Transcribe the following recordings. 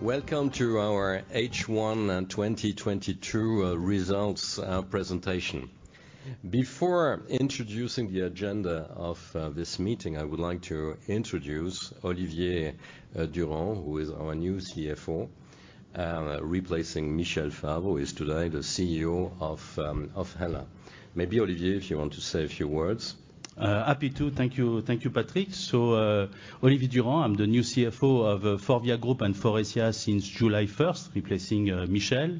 Welcome to our H1 2022 results presentation. Before introducing the agenda of this meeting, I would like to introduce Olivier Durand, who is our new CFO, replacing Michel Favre, who is today the CEO of HELLA. Maybe Olivier, if you want to say a few words. Happy to. Thank you. Thank you, Patrick. Olivier Durand. I'm the new CFO of Forvia Group and Faurecia since July first, replacing Michel.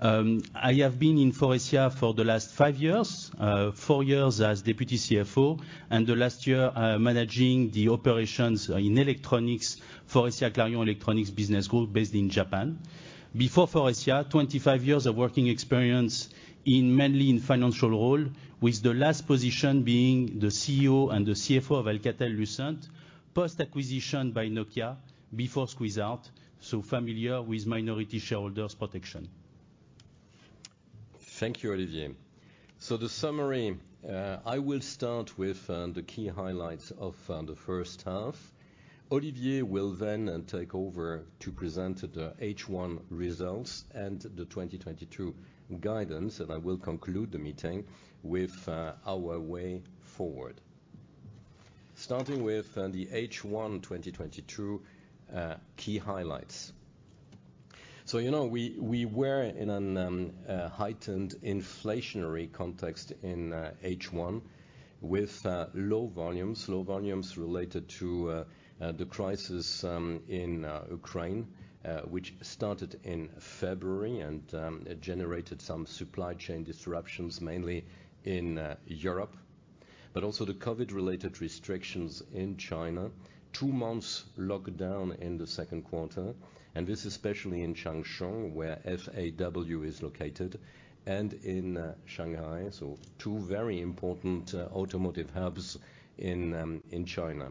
I have been in Faurecia for the last five years, four years as Deputy CFO, and the last year managing the operations in electronics, Faurecia Clarion Electronics business group based in Japan. Before Faurecia, 25 years of working experience mainly in financial role, with the last position being the CEO and the CFO of Alcatel-Lucent post-acquisition by Nokia before squeeze out, so familiar with minority shareholders protection. Thank you, Olivier. The summary, I will start with the key highlights of the first half. Olivier will then take over to present the H1 results and the 2022 guidance. I will conclude the meeting with our way forward. Starting with the H1 2022 key highlights. You know, we were in a heightened inflationary context in H1 with low volumes. Low volumes related to the crisis in Ukraine, which started in February, and it generated some supply chain disruptions, mainly in Europe. Also the COVID-related restrictions in China. Two months lockdown in the second quarter, and this especially in Changchun, where FAW is located, and in Shanghai. Two very important automotive hubs in China.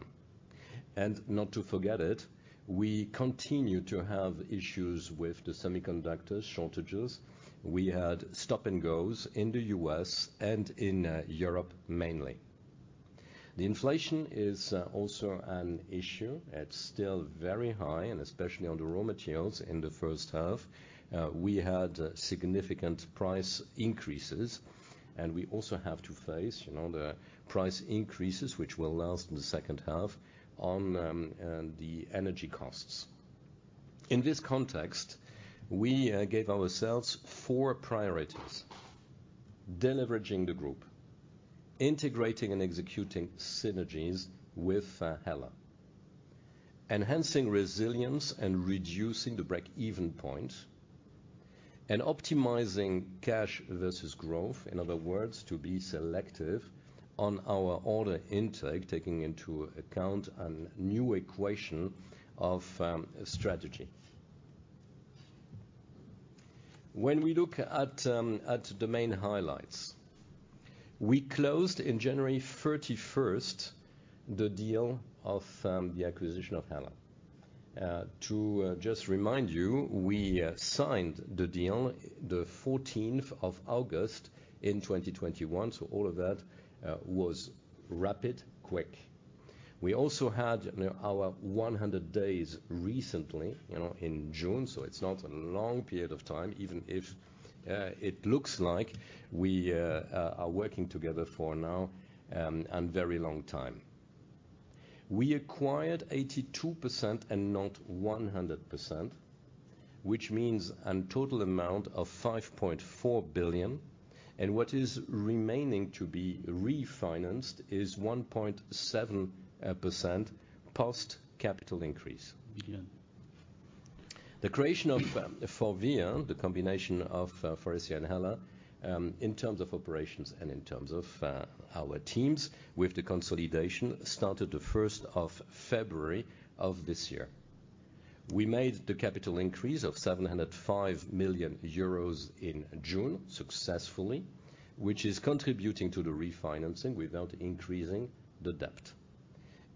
Not to forget it, we continue to have issues with the semiconductor shortages. We had stop and goes in the U.S. and in Europe mainly. The inflation is also an issue. It's still very high, and especially on the raw materials in the first half. We had significant price increases, and we also have to face, you know, the price increases, which will last in the second half on the energy costs. In this context, we gave ourselves four priorities. Deleveraging the group, integrating and executing synergies with HELLA, enhancing resilience and reducing the break-even point, and optimizing cash versus growth. In other words, to be selective on our order intake, taking into account a new equation of strategy. When we look at the main highlights, we closed in January 31st, the deal of the acquisition of HELLA. To just remind you, we signed the deal the August 14, 2021, so all of that was rapid, quick. We also had our 100 days recently, you know, in June, so it's not a long period of time, even if it looks like we are working together for now and very long time. We acquired 82% and not 100%, which means a total amount of 5.4 billion. What is remaining to be refinanced is 1.7% post capital increase. The creation of Forvia, the combination of Faurecia and HELLA, in terms of operations and in terms of our teams with the consolidation started the first of February of this year. We made the capital increase of 705 million euros in June successfully, which is contributing to the refinancing without increasing the debt.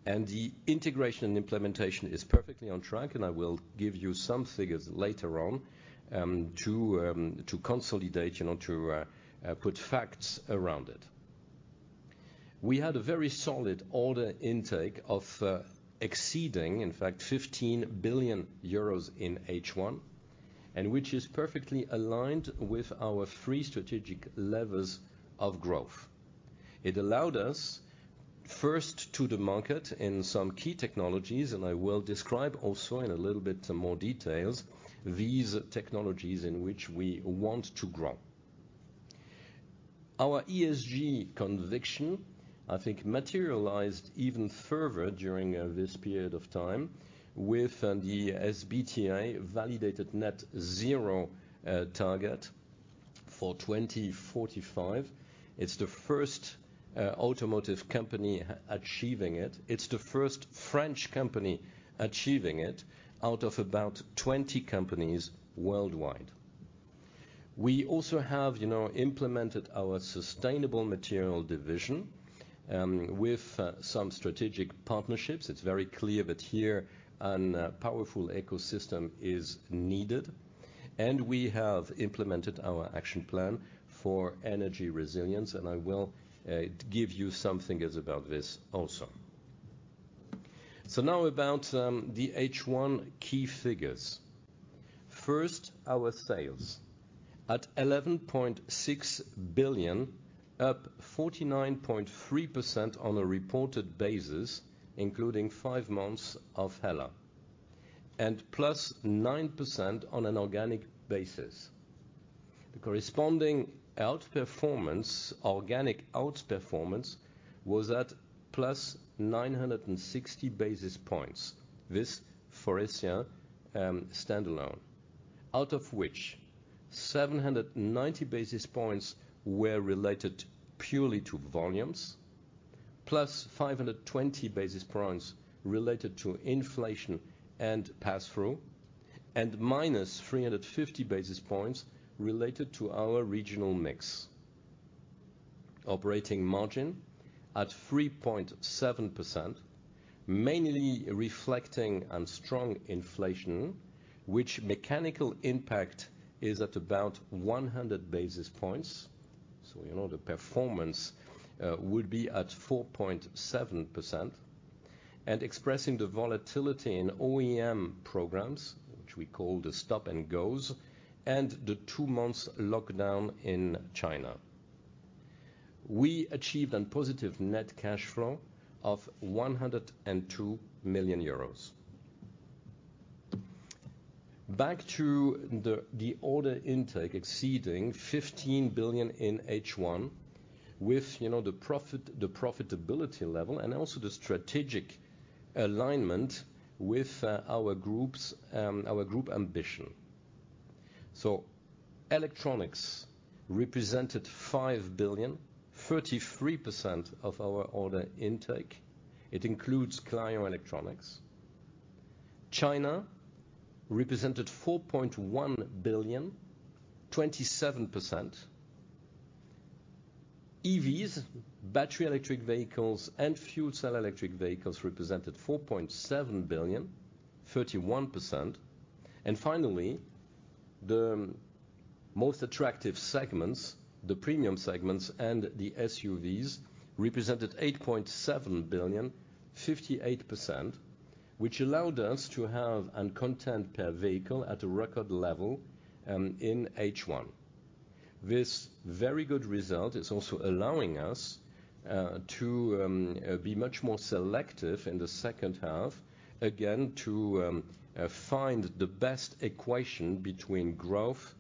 The integration and implementation is perfectly on track, and I will give you some figures later on to consolidate, you know, to put facts around it. We had a very solid order intake of exceeding in fact 15 billion euros in H1, which is perfectly aligned with our three strategic levers of growth. It allowed us first to the market in some key technologies, and I will describe also in a little bit more details these technologies in which we want to grow. Our ESG conviction, I think, materialized even further during this period of time with the SBTi validated net-zero target for 2045. It's the first automotive company achieving it. It's the first French company achieving it out of about 20 companies worldwide. We also have, you know, implemented our sustainable material division with some strategic partnerships. It's very clear that here a powerful ecosystem is needed. We have implemented our action plan for energy resilience, and I will give you some figures about this also. Now about the H1 key figures. First, our sales. At 11.6 billion, up 49.3% on a reported basis, including five months of HELLA, and +9% on an organic basis. The corresponding outperformance, organic outperformance was at +960 basis points. This, Faurecia, standalone. Out of which 790 basis points were related purely to volumes, +520 basis points related to inflation and passthrough, and -350 basis points related to our regional mix. Operating margin at 3.7%, mainly reflecting on strong inflation, which mechanical impact is at about 100 basis points. You know, the performance would be at 4.7%, and expressing the volatility in OEM programs, which we call the stop and goes, and the two months lockdown in China. We achieved a positive net cash flow of 102 million euros. Back to the order intake exceeding 15 billion in H1 with you know the profitability level and also the strategic alignment with our group ambition. Electronics represented 5 billion, 33% of our order intake. It includes Clean electronics. China represented EUR 4.1 billion, 27%. EVs, battery electric vehicles and fuel cell electric vehicles represented 4.7 billion, 31%. Finally, the most attractive segments, the premium segments and the SUVs represented 8.7 billion, 58%, which allowed us to have a content per vehicle at a record level in H1. This very good result is also allowing us to be much more selective in the second half, again, to find the best equation between growth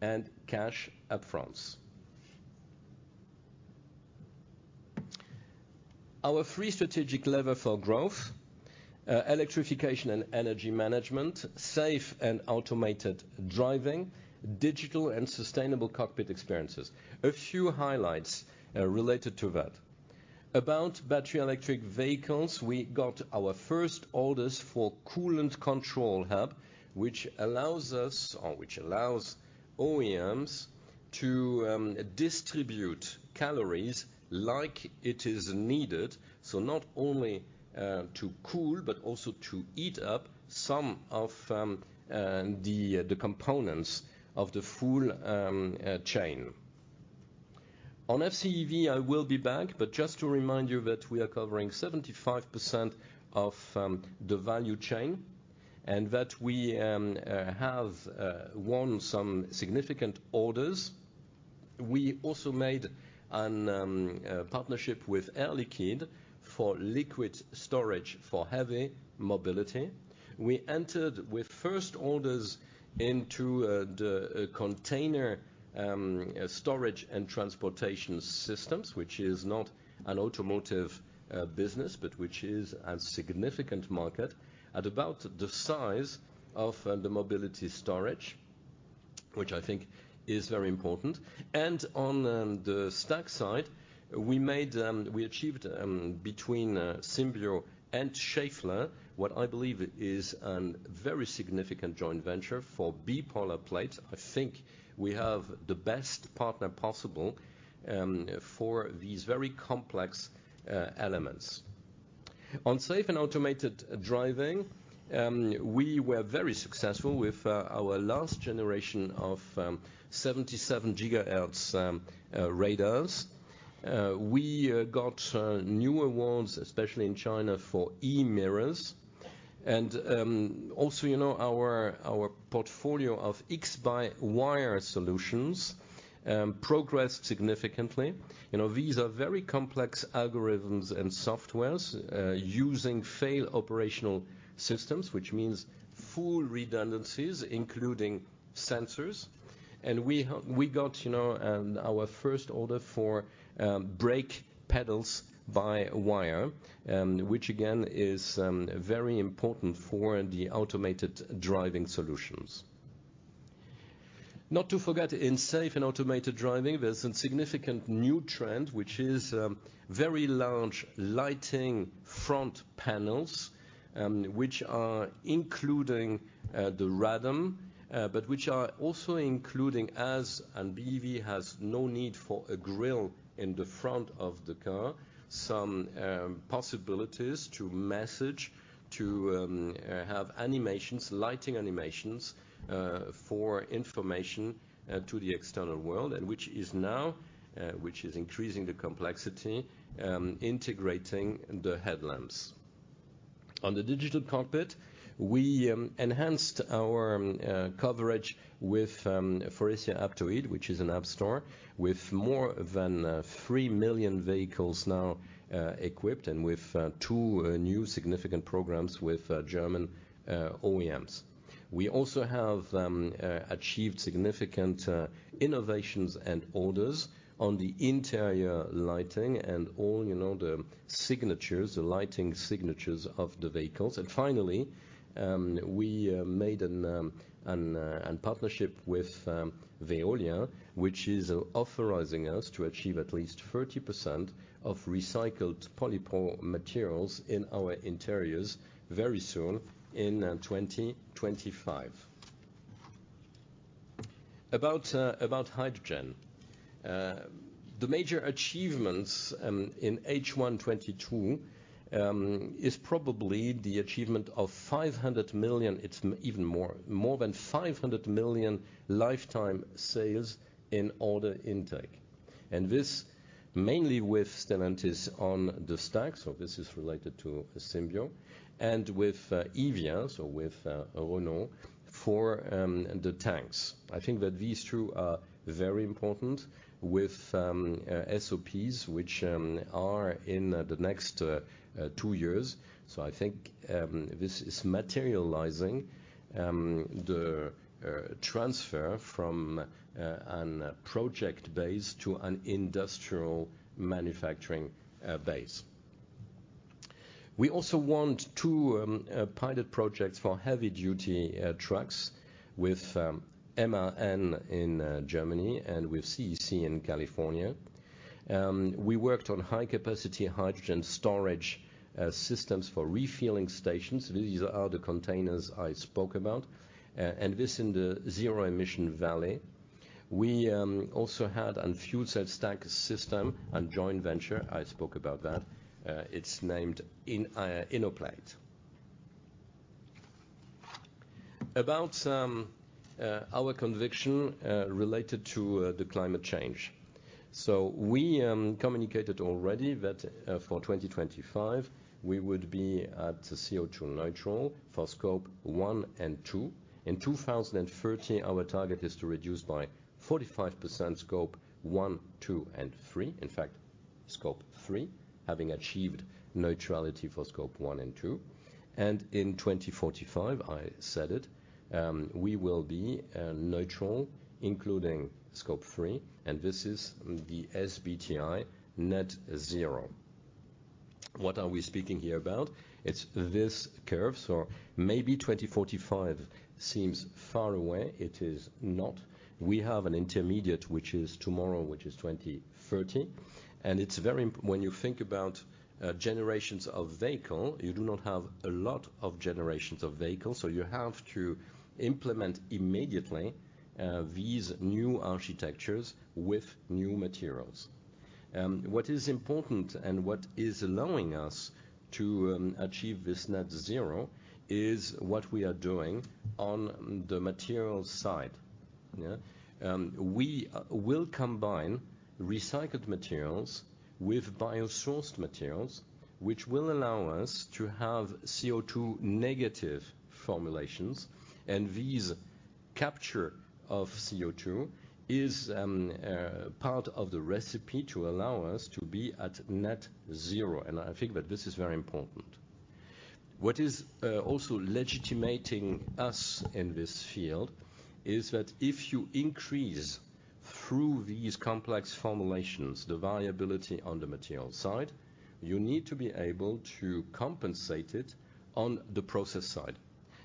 and cash up-fronts. Our three strategic lever for growth, electrification and energy management, safe and automated driving, digital and sustainable cockpit experiences. A few highlights related to that. About battery electric vehicles, we got our first orders for Coolant Control Hub, which allows OEMs to distribute calories like it is needed. So not only to cool, but also to heat up some of the components of the full chain. On FCEV, I will be back, but just to remind you that we are covering 75% of the value chain and that we have won some significant orders. We also made a partnership with Air Liquide for liquid storage for heavy mobility. We entered with first orders into the container storage and transportation systems, which is not an automotive business, but which is a significant market at about the size of the mobility storage, which I think is very important. On the stack side, we achieved between Symbio and Schaeffler, what I believe is a very significant joint venture for bipolar plates. I think we have the best partner possible for these very complex elements. On safe and automated driving, we were very successful with our last generation of 77 GHz radars. We got new awards, especially in China, for e-mirrors. also, you know, our portfolio of x-by-wire solutions progressed significantly. You know, these are very complex algorithms and software using fail operational systems, which means full redundancies, including sensors. We got, you know, our first order for brake pedals by wire, which again is very important for the automated driving solutions. Not to forget, in safe and automated driving, there's a significant new trend, which is very large lighting front panels, which are including the radome, but which are also including ADAS, and BEV has no need for a grille in the front of the car. Some possibilities to message to have animations, lighting animations for information to the external world, and which is increasing the complexity integrating the headlamps. On the digital cockpit, we enhanced our coverage with Faurecia Aptoide, which is an app store, with more than 3 million vehicles now equipped, and with two new significant programs with German OEMs. We also have achieved significant innovations and orders on the interior lighting and all, you know, the signatures, the lighting signatures of the vehicles. Finally, we made a partnership with Veolia, which is authorizing us to achieve at least 30% of recycled polypropylene materials in our interiors very soon in 2025. About hydrogen. The major achievements in H1 2022 is probably the achievement of 500 million. It's even more than 500 million lifetime sales in order intake. This mainly with Stellantis on the stacks, so this is related to Symbio, and with Forvia, so with Renault for the tanks. I think that these two are very important with SOPs, which are in the next two years. I think this is materializing the transfer from a project base to an industrial manufacturing base. We also have two pilot projects for heavy-duty trucks with MAN in Germany and with CEC in California. We worked on high-capacity hydrogen storage systems for refueling stations. These are the containers I spoke about. This in the Zero Emission Valley. We also had a fuel cell stack system and joint venture. I spoke about that. It's named Innoplate. About our conviction related to the climate change. We communicated already that, for 2025, we would be at CO2 neutral for Scope one and two. In 2030, our target is to reduce by 45% Scope one, two, and three. In fact, Scope three, having achieved neutrality for Scope one and two. In 2045, I said it, we will be neutral, including Scope three, and this is the SBTi net-zero. What are we speaking here about? It's this curve. Maybe 2045 seems far away. It is not. We have an intermediate, which is tomorrow, which is 2030. When you think about generations of vehicle, you do not have a lot of generations of vehicles, so you have to implement immediately these new architectures with new materials. What is important and what is allowing us to achieve this net zero is what we are doing on the materials side. Yeah. We will combine recycled materials with biosourced materials, which will allow us to have CO2 negative formulations, and this capture of CO2 is part of the recipe to allow us to be at net zero. I think that this is very important. What is also legitimating us in this field is that if you increase through these complex formulations, the viability on the materials side, you need to be able to compensate it on the process side.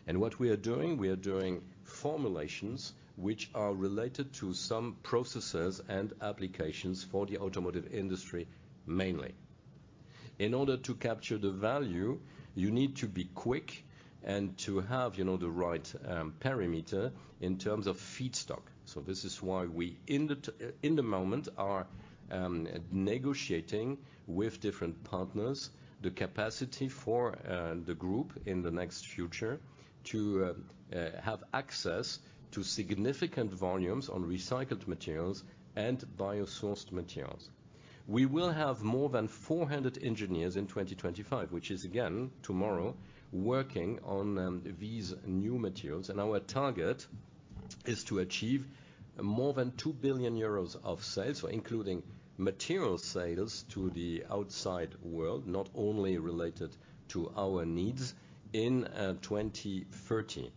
What we are doing, we are doing formulations which are related to some processes and applications for the automotive industry, mainly. In order to capture the value, you need to be quick and to have, you know, the right parameter in terms of feedstock. This is why we, in the moment, are negotiating with different partners the capacity for the group in the next future to have access to significant volumes on recycled materials and biosourced materials. We will have more than 400 engineers in 2025, which is again, tomorrow, working on these new materials. Our target is to achieve more than 2 billion euros of sales, including material sales to the outside world, not only related to our needs, in 2030.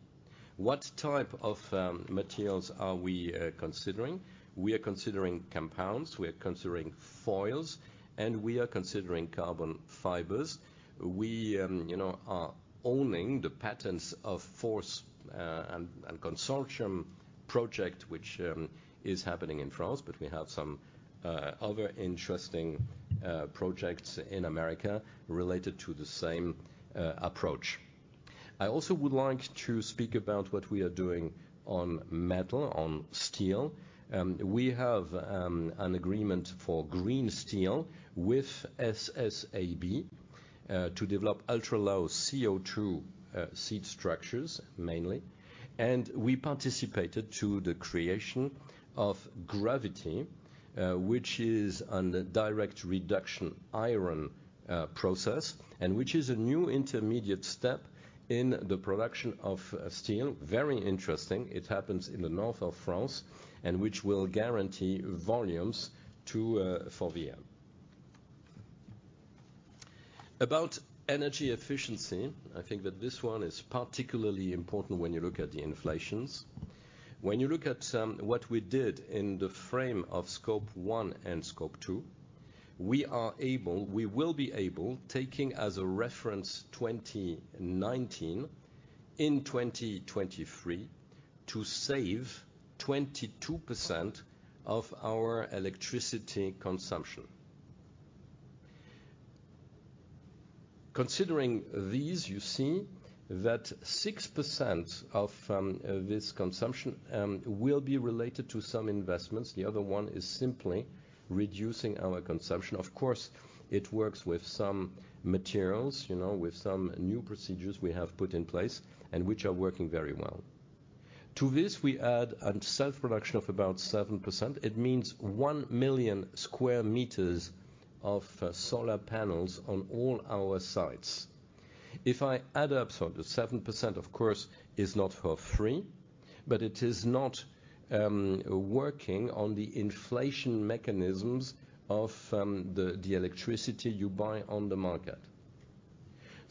What type of materials are we considering? We are considering compounds, we are considering foils, and we are considering carbon fibers. We, you know, are owning the patents of Faurecia and consortium project, which is happening in France, but we have some other interesting projects in America related to the same approach. I also would like to speak about what we are doing on metal, on steel. We have an agreement for green steel with SSAB to develop ultra-low CO₂ seat structures mainly. We participated to the creation of GravitHy, which is under direct reduced iron process, and which is a new intermediate step in the production of steel. Very interesting. It happens in the north of France, and which will guarantee volumes to Forvia. About energy efficiency, I think that this one is particularly important when you look at the inflation. When you look at what we did in the frame of Scope one and Scope two, we will be able, taking as a reference 2019, in 2023, to save 22% of our electricity consumption. Considering these, you see that 6% of this consumption will be related to some investments. The other one is simply reducing our consumption. Of course, it works with some materials, you know, with some new procedures we have put in place, and which are working very well. To this we add a self-production of about 7%. It means 1,000,000 square meters of solar panels on all our sites. If I add up, the 7% of course is not for free, but it is not working on the inflation mechanisms of the electricity you buy on the market.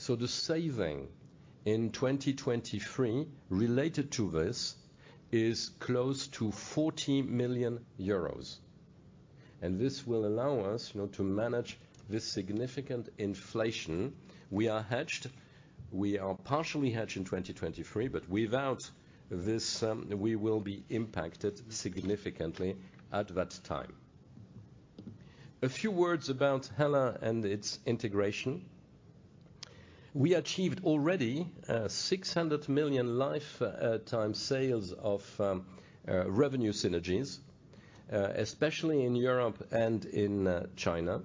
The saving in 2023 related to this is close to 40 million euros, and this will allow us, you know, to manage this significant inflation. We are hedged. We are partially hedged in 2023, but without this, we will be impacted significantly at that time. A few words about HELLA and its integration. We achieved already 600 million lifetime sales of revenue synergies, especially in Europe and in China.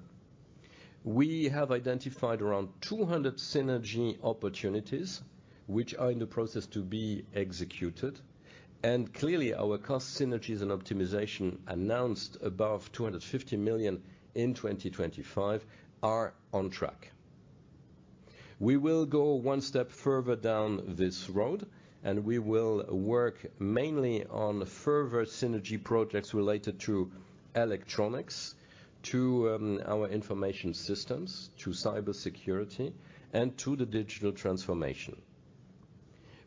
We have identified around 200 synergy opportunities which are in the process to be executed, and clearly our cost synergies and optimization announced above 250 million in 2025 are on track. We will go one step further down this road, and we will work mainly on further synergy projects related to electronics, to our information systems, to cybersecurity and to the digital transformation.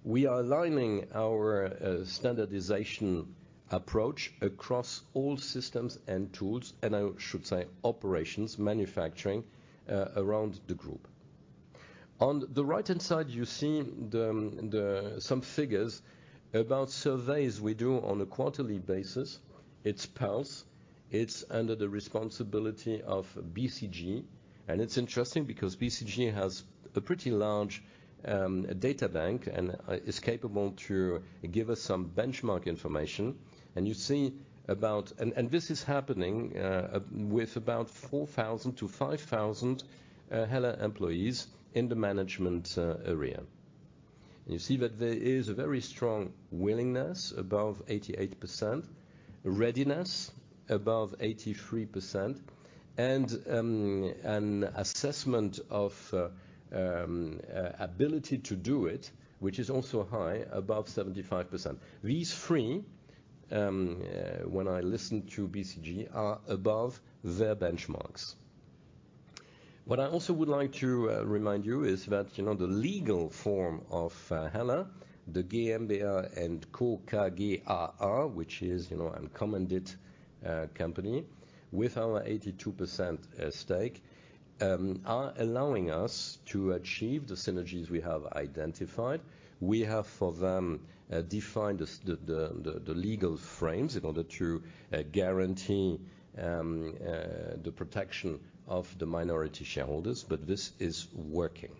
We are aligning our standardization approach across all systems and tools, and I should say operations, manufacturing around the group. On the right-hand side, you see some figures about surveys we do on a quarterly basis. It's Pulse, it's under the responsibility of BCG. It's interesting because BCG has a pretty large data bank and is capable to give us some benchmark information. This is happening with about 4,000-5,000 HELLA employees in the management area. You see that there is a very strong willingness above 88%, readiness above 83%, and an assessment of ability to do it, which is also high, above 75%. These three, when I listen to BCG, are above their benchmarks. What I also would like to remind you is that, you know, the legal form of HELLA, the GmbH & Co. KGaA, which is, you know, a commandite company, with our 82% stake, are allowing us to achieve the synergies we have identified. We have for them defined the legal frames in order to guarantee the protection of the minority shareholders. This is working.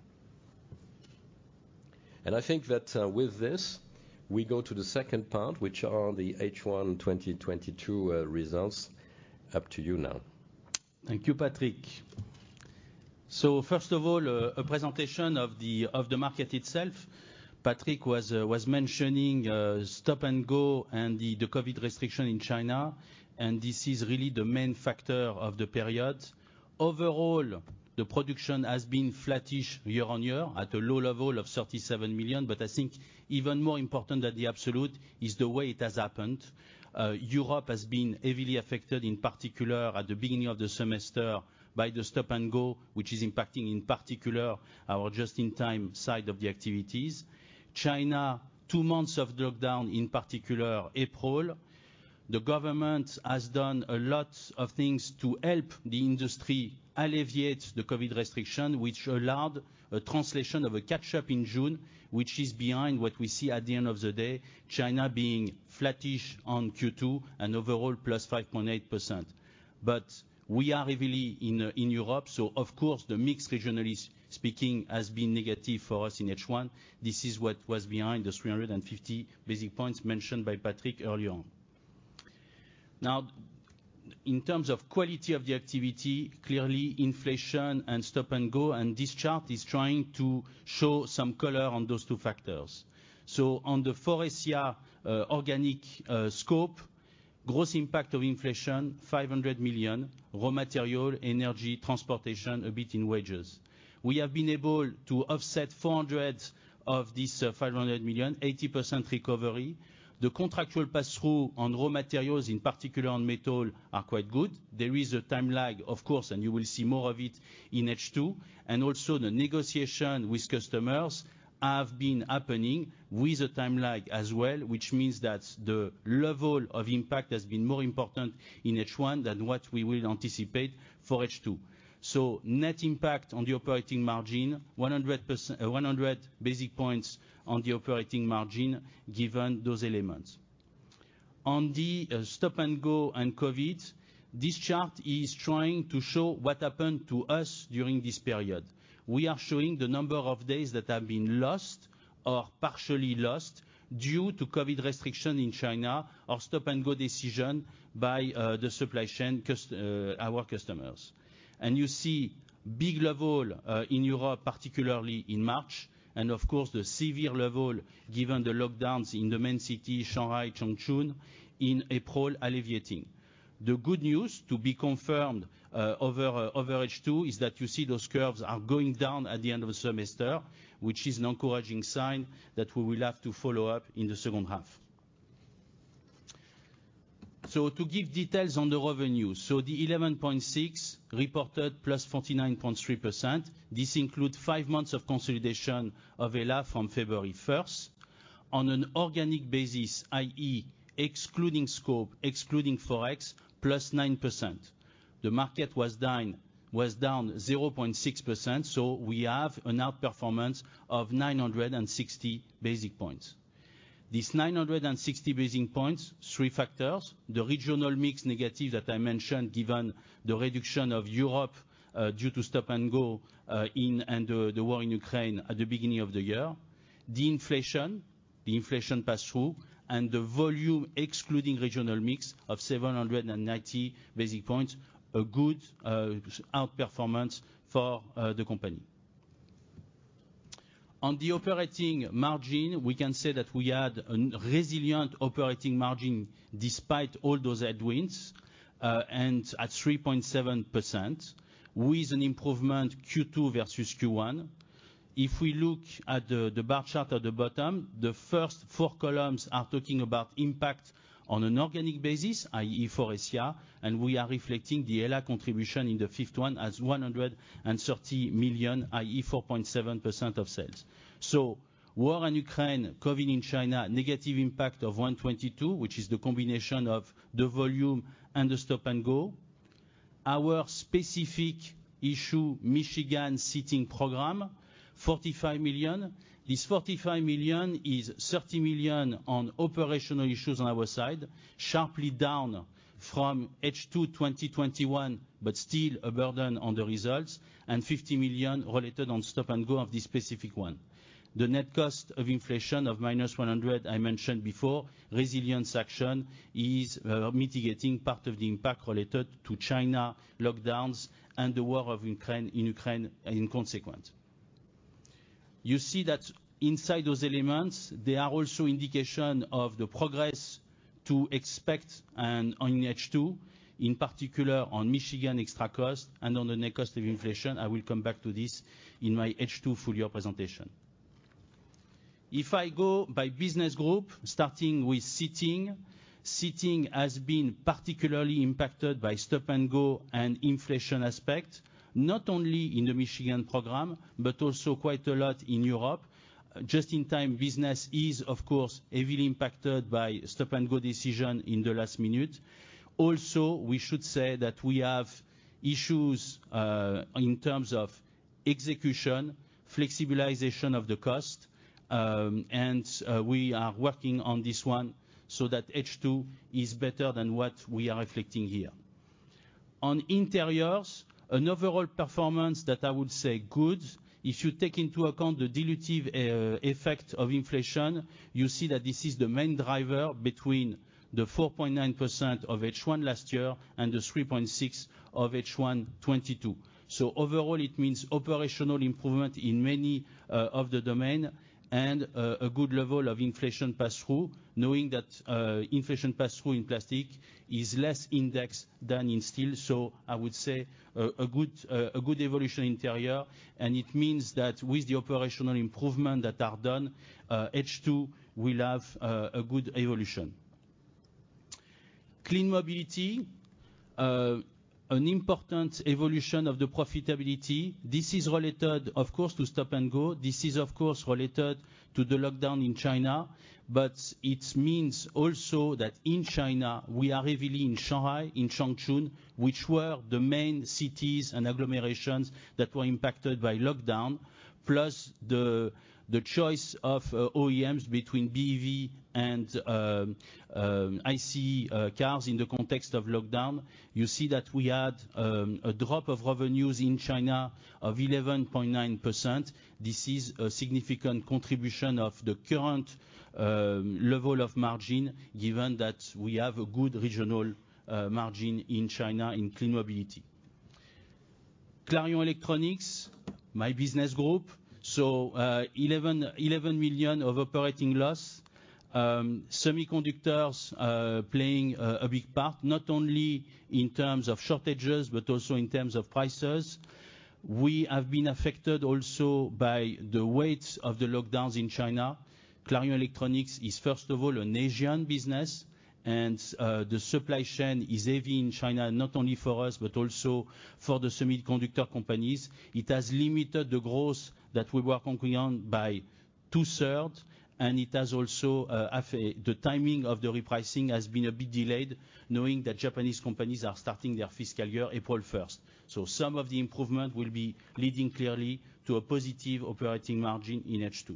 I think that with this we go to the second part, which are the H1 2022 results. Up to you now. Thank you, Patrick. First of all, a presentation of the market itself. Patrick was mentioning stop-and-go and the COVID restriction in China, and this is really the main factor of the period. Overall, the production has been flattish year-on-year at a low level of 37 million. I think even more important than the absolute is the way it has happened. Europe has been heavily affected, in particular at the beginning of the semester by the stop-and-go, which is impacting in particular our just-in-time side of the activities. China, two months of lockdown, in particular April. The government has done a lot of things to help the industry alleviate the COVID restriction, which allowed a translation of a catch-up in June, which is behind what we see at the end of the day, China being flattish on Q2 and overall +5.8%. We are heavily in Europe, so of course the mix regionally speaking has been negative for us in H1. This is what was behind the 350 basis points mentioned by Patrick earlier on. Now, in terms of quality of the activity, clearly inflation and stop and go, and this chart is trying to show some color on those two factors. On the Faurecia, organic scope, gross impact of inflation, 500 million, raw material, energy, transportation, a bit in wages. We have been able to offset 400 of this, 500 million, 80% recovery. The contractual pass-through on raw materials, in particular on metal, are quite good. There is a time lag, of course, and you will see more of it in H2. The negotiation with customers have been happening with a time lag as well, which means that the level of impact has been more important in H1 than what we will anticipate for H2. Net impact on the operating margin, 100 basis points on the operating margin given those elements. On the stop and go and COVID, this chart is trying to show what happened to us during this period. We are showing the number of days that have been lost or partially lost due to COVID restriction in China or stop and go decision by the supply chain, our customers. You see big level in Europe, particularly in March, and of course the severe level given the lockdowns in the main city, Shanghai, Chongqing, in April alleviating. The good news to be confirmed over H2 is that you see those curves are going down at the end of the semester, which is an encouraging sign that we will have to follow up in the second half. To give details on the revenue. The 11.6 reported +49.3%. This includes five months of consolidation of HELLA from February 1st. On an organic basis, i.e. excluding scope, excluding Forex, +9%. The market was down 0.6%, so we have an outperformance of 960 basis points. This 960 basis points, three factors, the regional mix negative that I mentioned given the reduction in Europe due to stop and go in and the war in Ukraine at the beginning of the year. The inflation pass-through, and the volume excluding regional mix of 790 basis points, a good outperformance for the company. On the operating margin, we can say that we had a resilient operating margin despite all those headwinds, and at 3.7% with an improvement Q2 versus Q1. If we look at the bar chart at the bottom, the first four columns are talking about impact on an organic basis, i.e. Forvia, and we are reflecting the HELLA contribution in the fifth one as 130 million, i.e. 4.7% of sales. War in Ukraine, COVID in China, negative impact of 122, which is the combination of the volume and the stop and go. Our specific issue, Michigan seating program, 45 million. This 45 million is 30 million on operational issues on our side, sharply down from H2 2021, but still a burden on the results, and 50 million related on stop and go of this specific one. The net cost of inflation of -100, I mentioned before, resilience action is mitigating part of the impact related to China lockdowns and the war in Ukraine in consequence. You see that inside those elements, there are also indication of the progress to expect and on H2, in particular on Michigan extra cost and on the net cost of inflation. I will come back to this in my H2 full year presentation. If I go by business group, starting with Seating. Seating has been particularly impacted by stop and go and inflation aspect, not only in the Michiganprogram, but also quite a lot in Europe. Just-in-time business is of course heavily impacted by stop and go decision in the last minute. Also, we should say that we have issues in terms of execution, flexibilization of the cost, and we are working on this one so that H2 is better than what we are reflecting here. On Interiors, an overall performance that I would say good. If you take into account the dilutive effect of inflation, you see that this is the main driver between the 4.9% of H1 last year and the 3.6% of H1 2022. Overall it means operational improvement in many of the domains and a good level of inflation pass-through, knowing that inflation pass-through in plastic is less indexed than in steel. I would say a good evolution Interiors, and it means that with the operational improvement that are done, H2 will have a good evolution. Clean Mobility, an important evolution of the profitability. This is related of course to stop and go. This is of course related to the lockdown in China. It means also that in China, we are heavily in Shanghai, in Chongqing, which were the main cities and agglomerations that were impacted by lockdown, plus the choice of OEMs between BEV and ICE cars in the context of lockdown. You see that we had a drop of revenues in China of 11.9%. This is a significant contribution of the current level of margin, given that we have a good regional margin in China in Clean Mobility. Clarion Electronics, my business group. 11 million of operating loss. Semiconductors playing a big part, not only in terms of shortages, but also in terms of prices. We have been affected also by the waves of the lockdowns in China. Clarion Electronics is first of all an Asian business, and the supply chain is heavy in China, not only for us, but also for the semiconductor companies. It has limited the growth that we were counting on by two-thirds, and it has also affected the timing of the repricing has been a bit delayed knowing that Japanese companies are starting their fiscal year April 1st. Some of the improvement will be leading clearly to a positive operating margin in H2.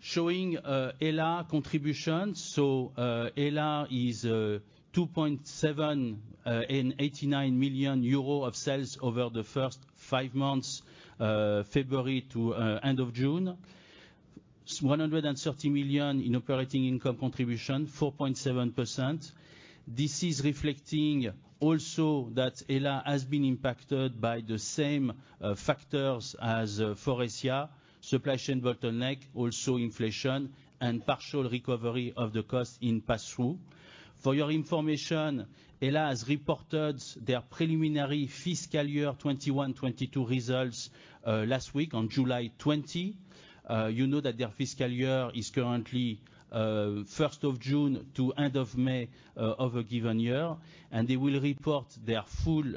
Showing HELLA contribution. HELLA is 2.7 and 89 million euro of sales over the first five months, February to end of June. 130 million in operating income contribution, 4.7%. This is reflecting also that HELLA has been impacted by the same factors as Faurecia, supply chain bottleneck, also inflation and partial recovery of the cost in pass-through. For your information, HELLA has reported their preliminary fiscal year 2021/2022 results last week on July 20. You know that their fiscal year is currently first of June to end of May of a given year, and they will report their full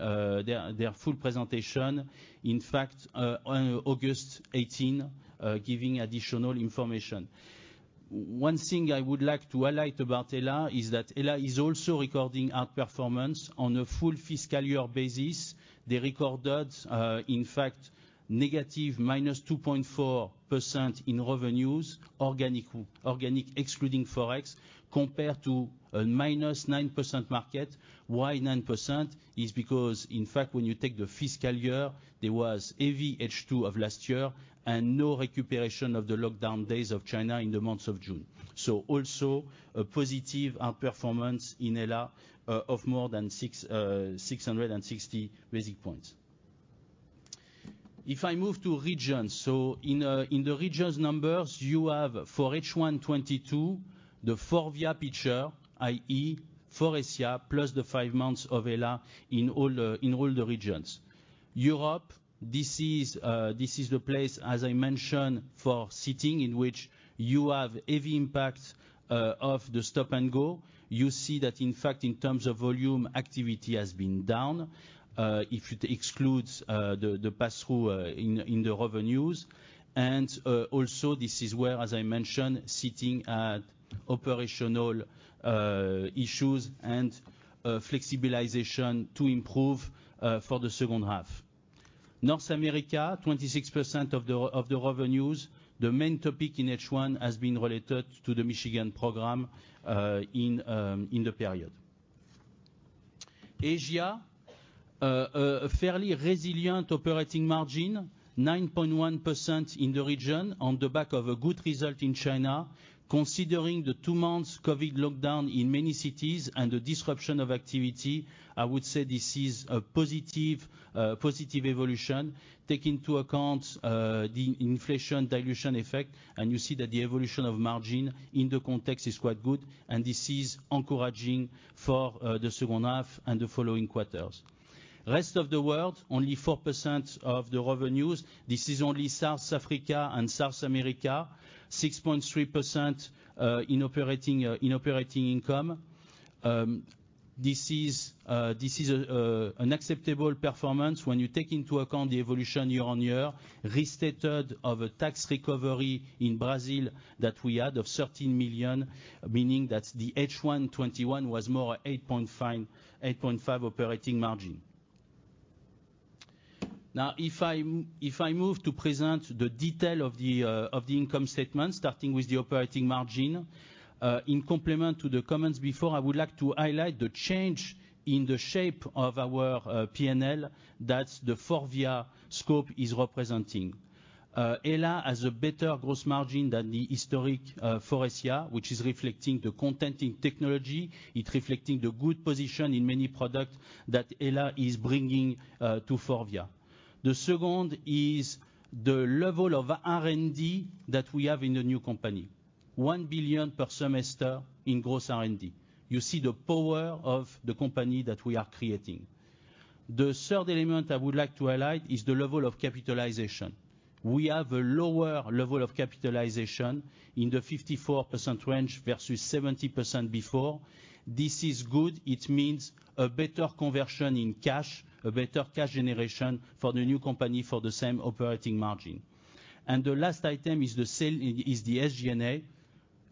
presentation, in fact, on August 18, giving additional information. One thing I would like to highlight about HELLA is that HELLA is also recording outperformance on a full fiscal year basis. They recorded, in fact, -2.4% in revenues, organic excluding Forex, compared to a -9% market. Why 9%? It's because, in fact, when you take the fiscal year, there was heavy H2 of last year and no recuperation of the lockdown days of China in the months of June. Also a positive outperformance in HELLA of more than 660 basis points. If I move to regions, in the regions numbers you have for H1 2022, the Forvia picture, i.e., Faurecia, plus the five months of HELLA in all the regions. Europe, this is the place, as I mentioned, for Seating in which you have heavy impact of the stop-and-go. You see that in fact in terms of volume, activity has been down. If it excludes the pass-through in the revenues. This is where, as I mentioned, sitting at operational issues and flexibilization to improve for the second half. North America, 26% of the revenues. The main topic in H1 has been related to the Michigan program in the period. Asia, a fairly resilient operating margin, 9.1% in the region on the back of a good result in China. Considering the two months COVID lockdown in many cities and the disruption of activity, I would say this is a positive evolution. Take into account the inflation dilution effect, and you see that the evolution of margin in the context is quite good, and this is encouraging for the second half and the following quarters. Rest of the world, only 4% of the revenues. This is only South Africa and South America, 6.3% in operating income. This is an acceptable performance when you take into account the evolution year-on-year, restated of a tax recovery in Brazil that we had of 13 million, meaning that the H1 2021 was more 8.5, 8.5 operating margin. Now, if I move to present the detail of the income statement, starting with the operating margin. In complement to the comments before, I would like to highlight the change in the shape of our P&L, that's the Forvia scope is representing. HELLA has a better gross margin than the historic Faurecia, which is reflecting the content in technology. It reflecting the good position in many product that HELLA is bringing to Forvia. The second is the level of R&D that we have in the new company, 1 billion per semester in gross R&D. You see the power of the company that we are creating. The third element I would like to highlight is the level of capitalization. We have a lower level of capitalization in the 54% range versus 70% before. This is good. It means a better conversion to cash, a better cash generation for the new company for the same operating margin. The last item is the scale, is the SG&A.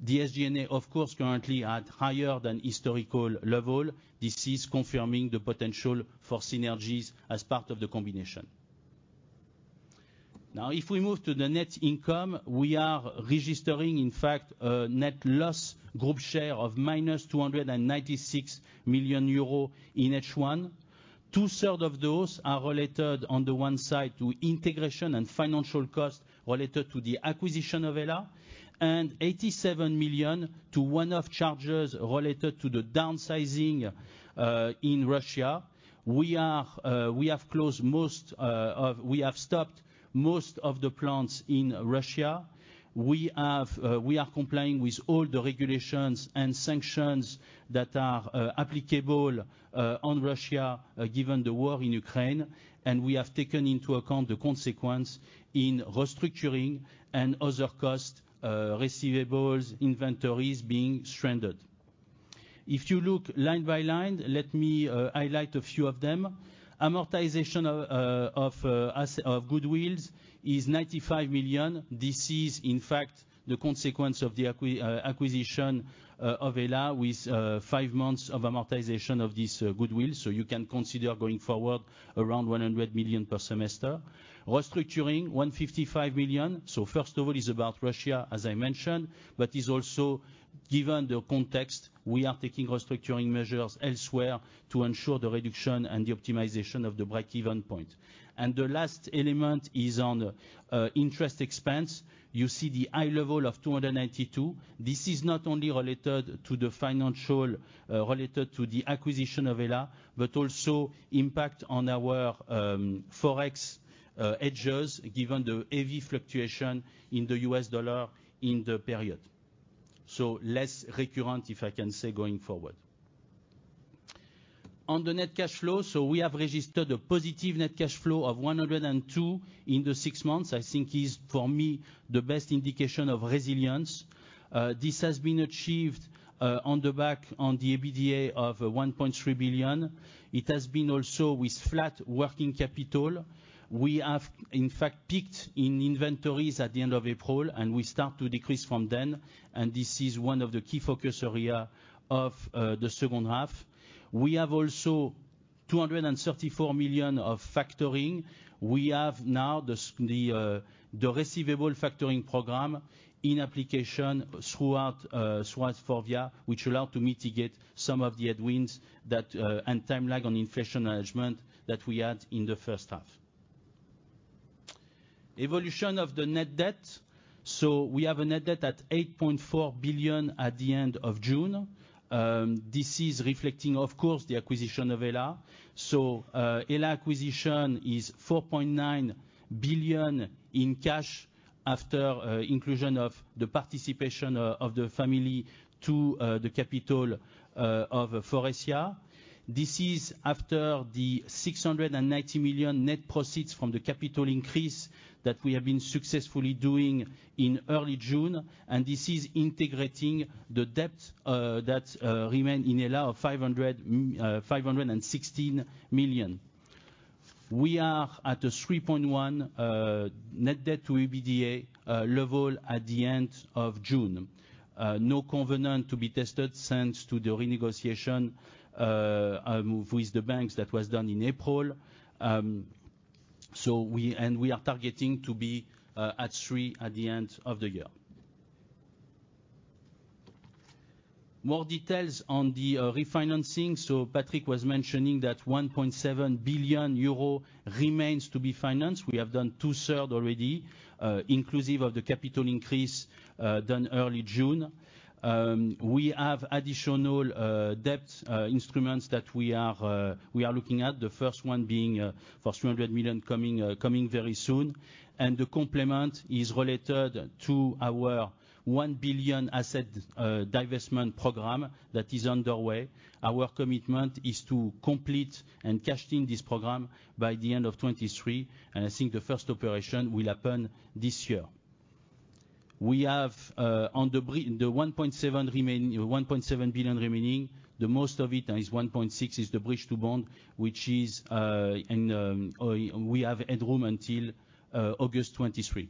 The SG&A, of course, currently at higher than historical level. This is confirming the potential for synergies as part of the combination. Now, if we move to the net income, we are registering, in fact, a net loss group share of -296 million euro in H1. Two-thirds of those are related on the one side to integration and financial cost related to the acquisition of HELLA, and 87 million to one-off charges related to the downsizing in Russia. We have stopped most of the plants in Russia. We are complying with all the regulations and sanctions that are applicable on Russia given the war in Ukraine. We have taken into account the consequence in restructuring and other costs, receivables, inventories being stranded. If you look line by line, let me highlight a few of them. Amortization of goodwill is 95 million. This is in fact the consequence of the acquisition of HELLA with five months of amortization of this goodwill. You can consider going forward around 100 million per semester. Restructuring 155 million. First of all, it's about Russia, as I mentioned, but it's also given the context, we are taking restructuring measures elsewhere to ensure the reduction and the optimization of the break-even point. The last element is on interest expense. You see the high level of 292. This is not only related to the financing related to the acquisition of HELLA, but also impact on our Forex hedgers, given the heavy fluctuation in the US dollar in the period. Less recurrent, if I can say, going forward. On the net cash flow, we have registered a positive net cash flow of 102 million in the six months. I think is, for me, the best indication of resilience. This has been achieved on the back of the EBITDA of 1.3 billion. It has been also with flat working capital. We have, in fact, peaked in inventories at the end of April, and we start to decrease from then. This is one of the key focus area of the second half. We have also 234 million of factoring. We have now the receivable factoring program in application throughout Forvia, which allow to mitigate some of the headwinds that and time lag on inflation management that we had in the first half. Evolution of the net debt. We have a net debt at 8.4 billion at the end of June. This is reflecting, of course, the acquisition of HELLA. HELLA acquisition is 4.9 billion in cash after inclusion of the participation of the family to the capital of Faurecia. This is after the 690 million net proceeds from the capital increase that we have been successfully doing in early June, and this is integrating the debt that remain in HELLA of 516 million. We are at a 3.1 net debt to EBITDA level at the end of June. No covenant to be tested thanks to the renegotiation with the banks that was done in April. We are targeting to be at three at the end of the year. More details on the refinancing. Patrick was mentioning that 1.7 billion euro remains to be financed. We have done two-thirds already, inclusive of the capital increase done early June. We have additional debt instruments that we are looking at. The first one being for 300 million coming very soon. The complement is related to our 1 billion asset divestment program that is underway. Our commitment is to complete and cash in this program by the end of 2023, and I think the first operation will happen this year. We have on the bridge the 1.7 billion remaining, the most of it, 1.6 billion, is the bridge to bond, which is in or we have headroom until August 2023.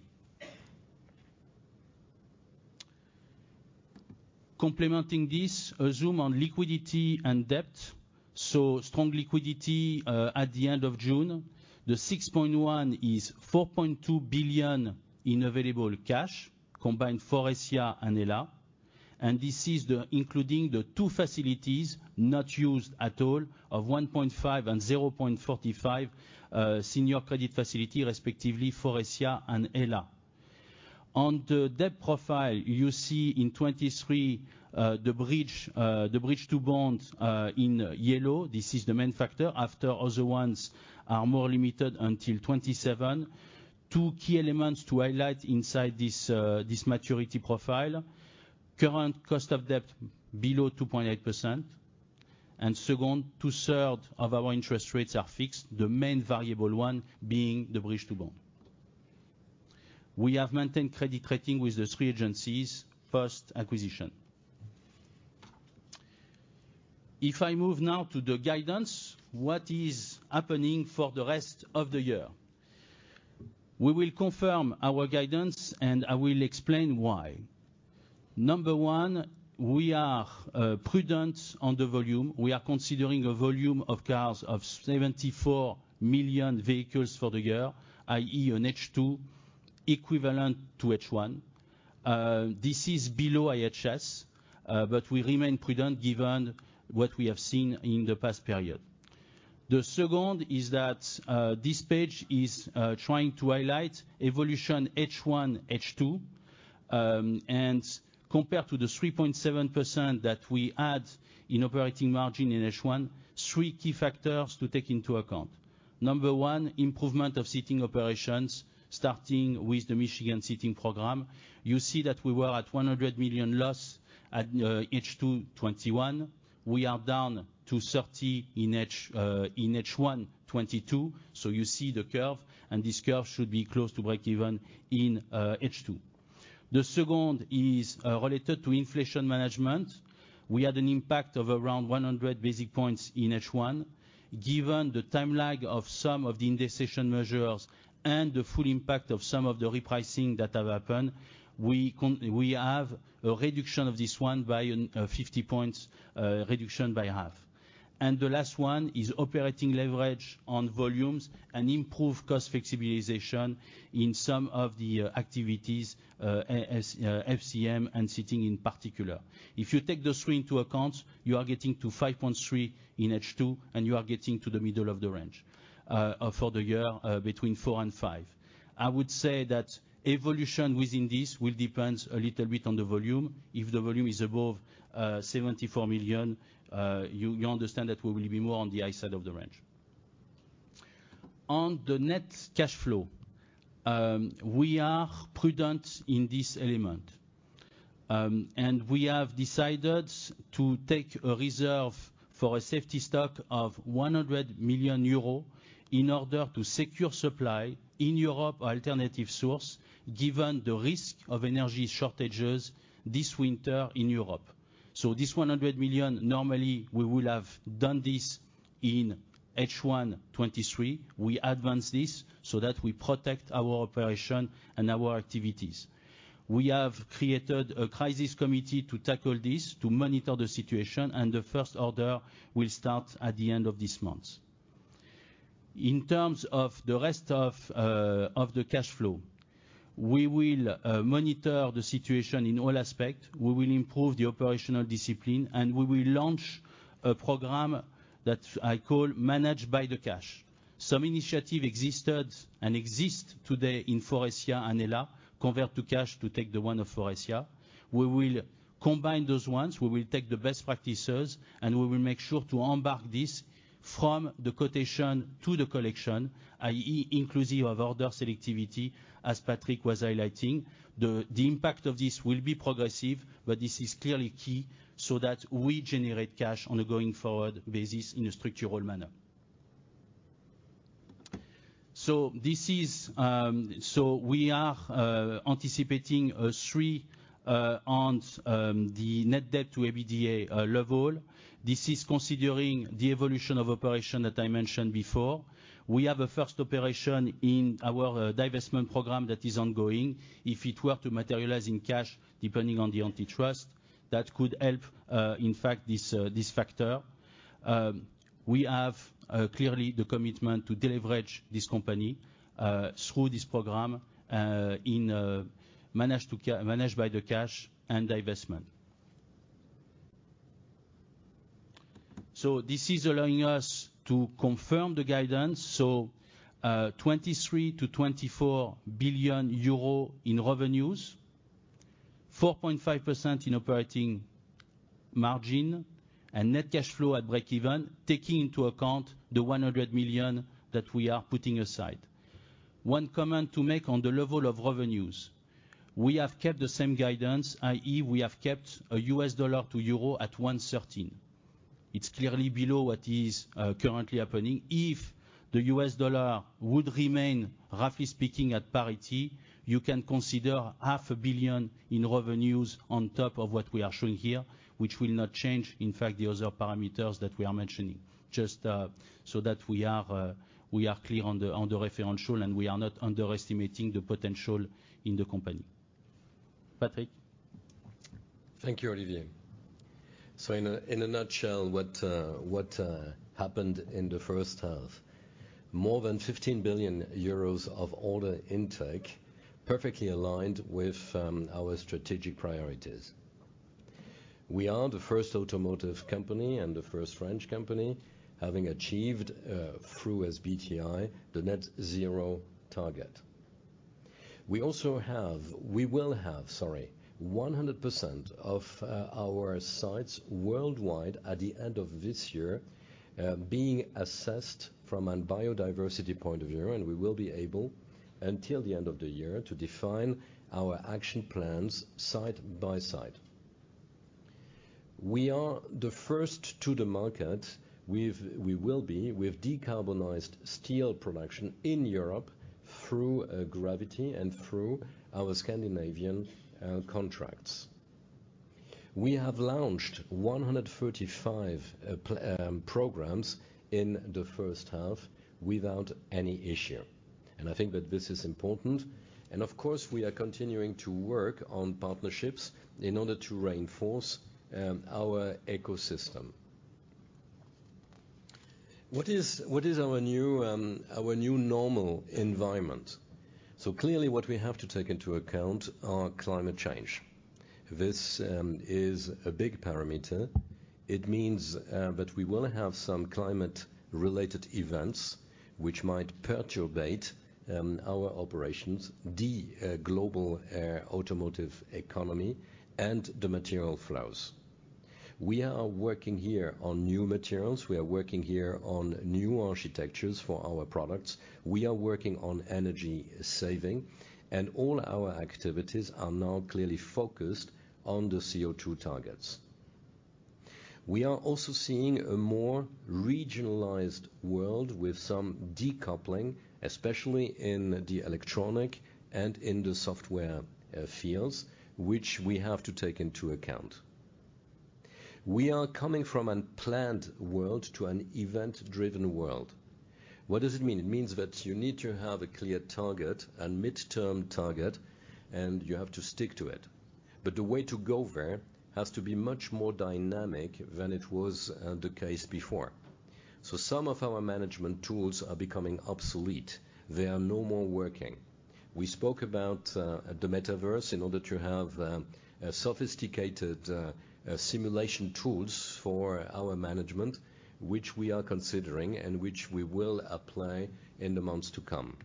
Complementing this, a zoom on liquidity and debt. Strong liquidity at the end of June. The 6.1 billion is 4.2 billion in available cash, combined Faurecia and HELLA. This is including the two facilities not used at all of 1.5 billion and 0.45 billion senior credit facility, respectively, Faurecia and HELLA. On the debt profile, you see in 2023 the bridge to bond in yellow. This is the main factor, after other ones are more limited until 2027. Two key elements to highlight inside this maturity profile. Current cost of debt below 2.8%. Second, two-thirds of our interest rates are fixed, the main variable one being the bridge to bond. We have maintained credit rating with the three agencies post-acquisition. If I move now to the guidance, what is happening for the rest of the year? We will confirm our guidance, and I will explain why. Number one, we are prudent on the volume. We are considering a volume of cars of 74 million vehicles for the year, i.e., on H2, equivalent to H1. This is below IHS, but we remain prudent given what we have seen in the past period. The second is that, this page is trying to highlight evolution H1, H2. Compared to the 3.7% that we had in operating margin in H1, three key factors to take into account. Number one, improvement of seating operations, starting with the Michigan seating program. You see that we were at 100 million loss at H2 2021. We are down to 30 million in H1 2022, so you see the curve, and this curve should be close to breakeven in H2. The second is related to inflation management. We had an impact of around 100 basis points in H1. Given the timeline of some of the indexation measures and the full impact of some of the repricing that have happened, we have a reduction of this one by an 50 points, reduction by half. The last one is operating leverage on volumes and improved cost flexibilization in some of the activities, as FCM and seating in particular. If you take those three into account, you are getting to 5.3% in H2, and you are getting to the middle of the range. For the year, between 4%-5%. I would say that evolution within this will depends a little bit on the volume. If the volume is above 74 million, you understand that we will be more on the high side of the range. On the net cash flow, we are prudent in this element, and we have decided to take a reserve for a safety stock of 100 million euro in order to secure supply in Europe or alternative source, given the risk of energy shortages this winter in Europe. This 100 million, normally we would have done this in H1 2023. We advanced this so that we protect our operation and our activities. We have created a crisis committee to tackle this, to monitor the situation, and the first order will start at the end of this month. In terms of the rest of the cash flow, we will monitor the situation in all aspects. We will improve the operational discipline, and we will launch a program that I call Manage by the Cash. Some initiative existed and exist today in Faurecia and HELLA, Convert to Cash to take the one of Faurecia. We will combine those ones, we will take the best practices, and we will make sure to embark this from the quotation to the collection, i.e., inclusive of order selectivity, as Patrick was highlighting. The impact of this will be progressive, but this is clearly key so that we generate cash on a going forward basis in a structural manner. We are anticipating a 3 on the net debt to EBITDA level. This is considering the evolution of operation that I mentioned before. We have a first operation in our divestment program that is ongoing. If it were to materialize in cash, depending on the antitrust, that could help in fact this factor. We have clearly the commitment to deleverage this company through this program in Manage by the Cash and divestment. This is allowing us to confirm the guidance, 23-24 billion euro in revenues, 4.5% in operating margin, and net cash flow at breakeven, taking into account the 100 million that we are putting aside. One comment to make on the level of revenues. We have kept the same guidance, i.e., we have kept a U.S. dollar to euro at 1.13. It's clearly below what is currently happening. If the US dollar would remain, roughly speaking, at parity, you can consider EUR half a billion in revenues on top of what we are showing here, which will not change, in fact, the other parameters that we are mentioning. Just so that we are clear on the reference, and we are not underestimating the potential in the company. Patrick? Thank you, Olivier. In a nutshell, what happened in the first half. More than 15 billion euros of order intake, perfectly aligned with our strategic priorities. We are the first automotive company and the first French company having achieved through SBTi the net-zero target. We will have 100% of our sites worldwide at the end of this year being assessed from a biodiversity point of view, and we will be able until the end of the year to define our action plans site by site. We will be the first to the market with decarbonized steel production in Europe through GravitHy and through our Scandinavian contracts. We have launched 135 programs in the first half without any issue, and I think that this is important. Of course, we are continuing to work on partnerships in order to reinforce our ecosystem. What is our new normal environment? Clearly what we have to take into account are climate change. This is a big parameter. It means that we will have some climate-related events which might perturbate our operations, the global automotive economy and the material flows. We are working here on new materials. We are working here on new architectures for our products. We are working on energy saving, and all our activities are now clearly focused on the CO₂ targets. We are also seeing a more regionalized world with some decoupling, especially in the electronic and in the software fields, which we have to take into account. We are coming from a planned world to an event-driven world. What does it mean? It means that you need to have a clear target and midterm target, and you have to stick to it. The way to go there has to be much more dynamic than it was the case before. Some of our management tools are becoming obsolete. They are no more working. We spoke about the Metaverse in order to have a sophisticated simulation tools for our management, which we are considering and which we will apply in the months to come.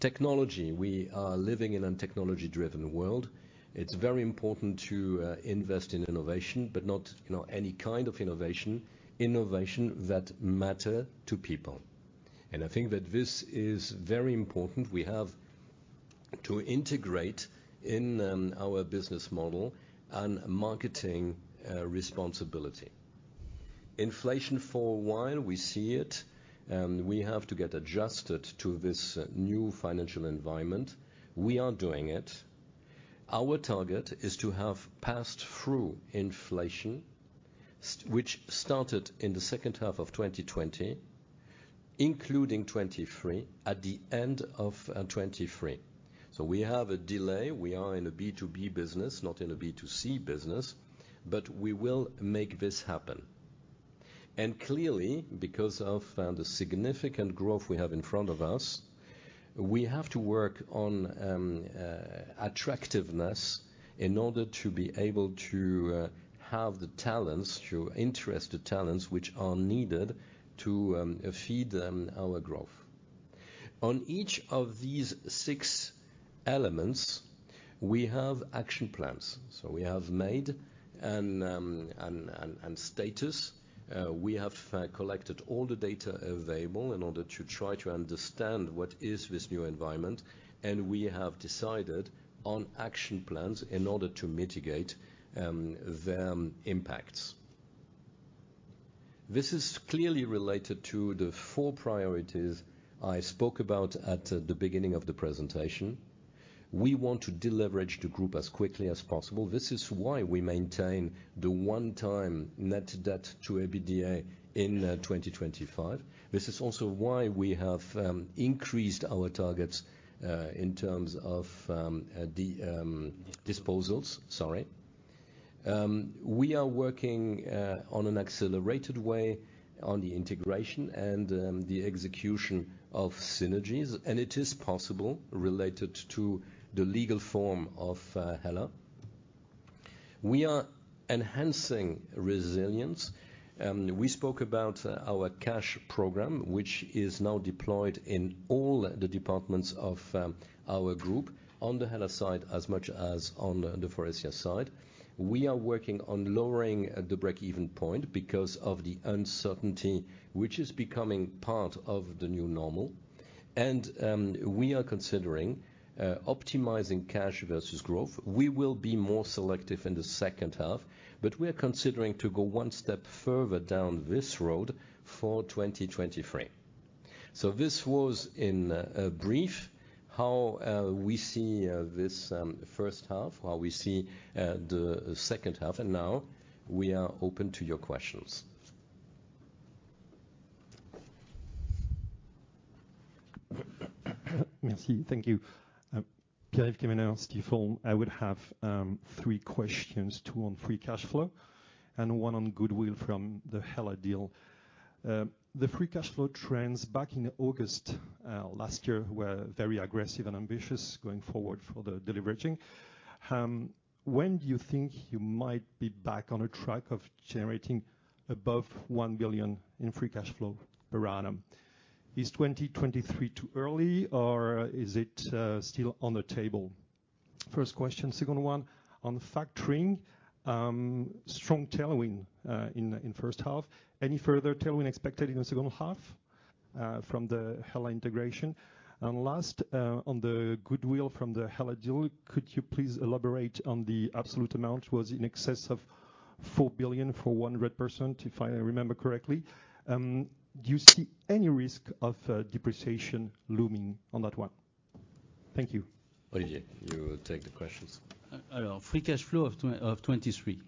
Technology. We are living in a technology-driven world. It's very important to invest in innovation, but not, you know, any kind of innovation that matter to people. I think that this is very important. We have to integrate in our business model and marketing responsibility. Inflation, for a while, we see it, and we have to get adjusted to this new financial environment. We are doing it. Our target is to have passed through inflation, which started in the second half of 2020, including 2023, at the end of 2023. We have a delay. We are in a B2B business, not in a B2C business, but we will make this happen. Clearly, because of the significant growth we have in front of us, we have to work on attractiveness in order to be able to have the talents to interest the talents which are needed to fuel our growth. On each of these six elements, we have action plans. We have made an assessment. We have collected all the data available in order to try to understand what is this new environment, and we have decided on action plans in order to mitigate their impacts. This is clearly related to the four priorities I spoke about at the beginning of the presentation. We want to deleverage the group as quickly as possible. This is why we maintain the 1x net debt to EBITDA in 2025. This is also why we have increased our targets in terms of the disposals. Sorry. We are working in an accelerated way on the integration and the execution of synergies, and it is possible related to the legal form of HELLA. We are enhancing resilience. We spoke about our cash program, which is now deployed in all the departments of our group on the HELLA side as much as on the Faurecia side. We are working on lowering the break-even point because of the uncertainty which is becoming part of the new normal. We are considering optimizing cash versus growth. We will be more selective in the second half, but we are considering to go one step further down this road for 2023. This was in brief how we see this first half, how we see the second half, and now we are open to your questions. Merci. Thank you. I would have three questions, two on free cash flow and one on goodwill from the HELLA deal. The free cash flow trends back in August last year were very aggressive and ambitious going forward for the deleveraging. When do you think you might be back on a track of generating above 1 billion in free cash flow per annum? Is 2023 too early, or is it still on the table? First question. Second one on factoring. Strong tailwind in first half. Any further tailwind expected in the second half from the HELLA integration? Last, on the goodwill from the HELLA deal, could you please elaborate on the absolute amount? Was it in excess of 4 billion for 100%, if I remember correctly? Do you see any risk of depreciation looming on that one? Thank you. Olivier, you take the questions. Free cash flow of 23.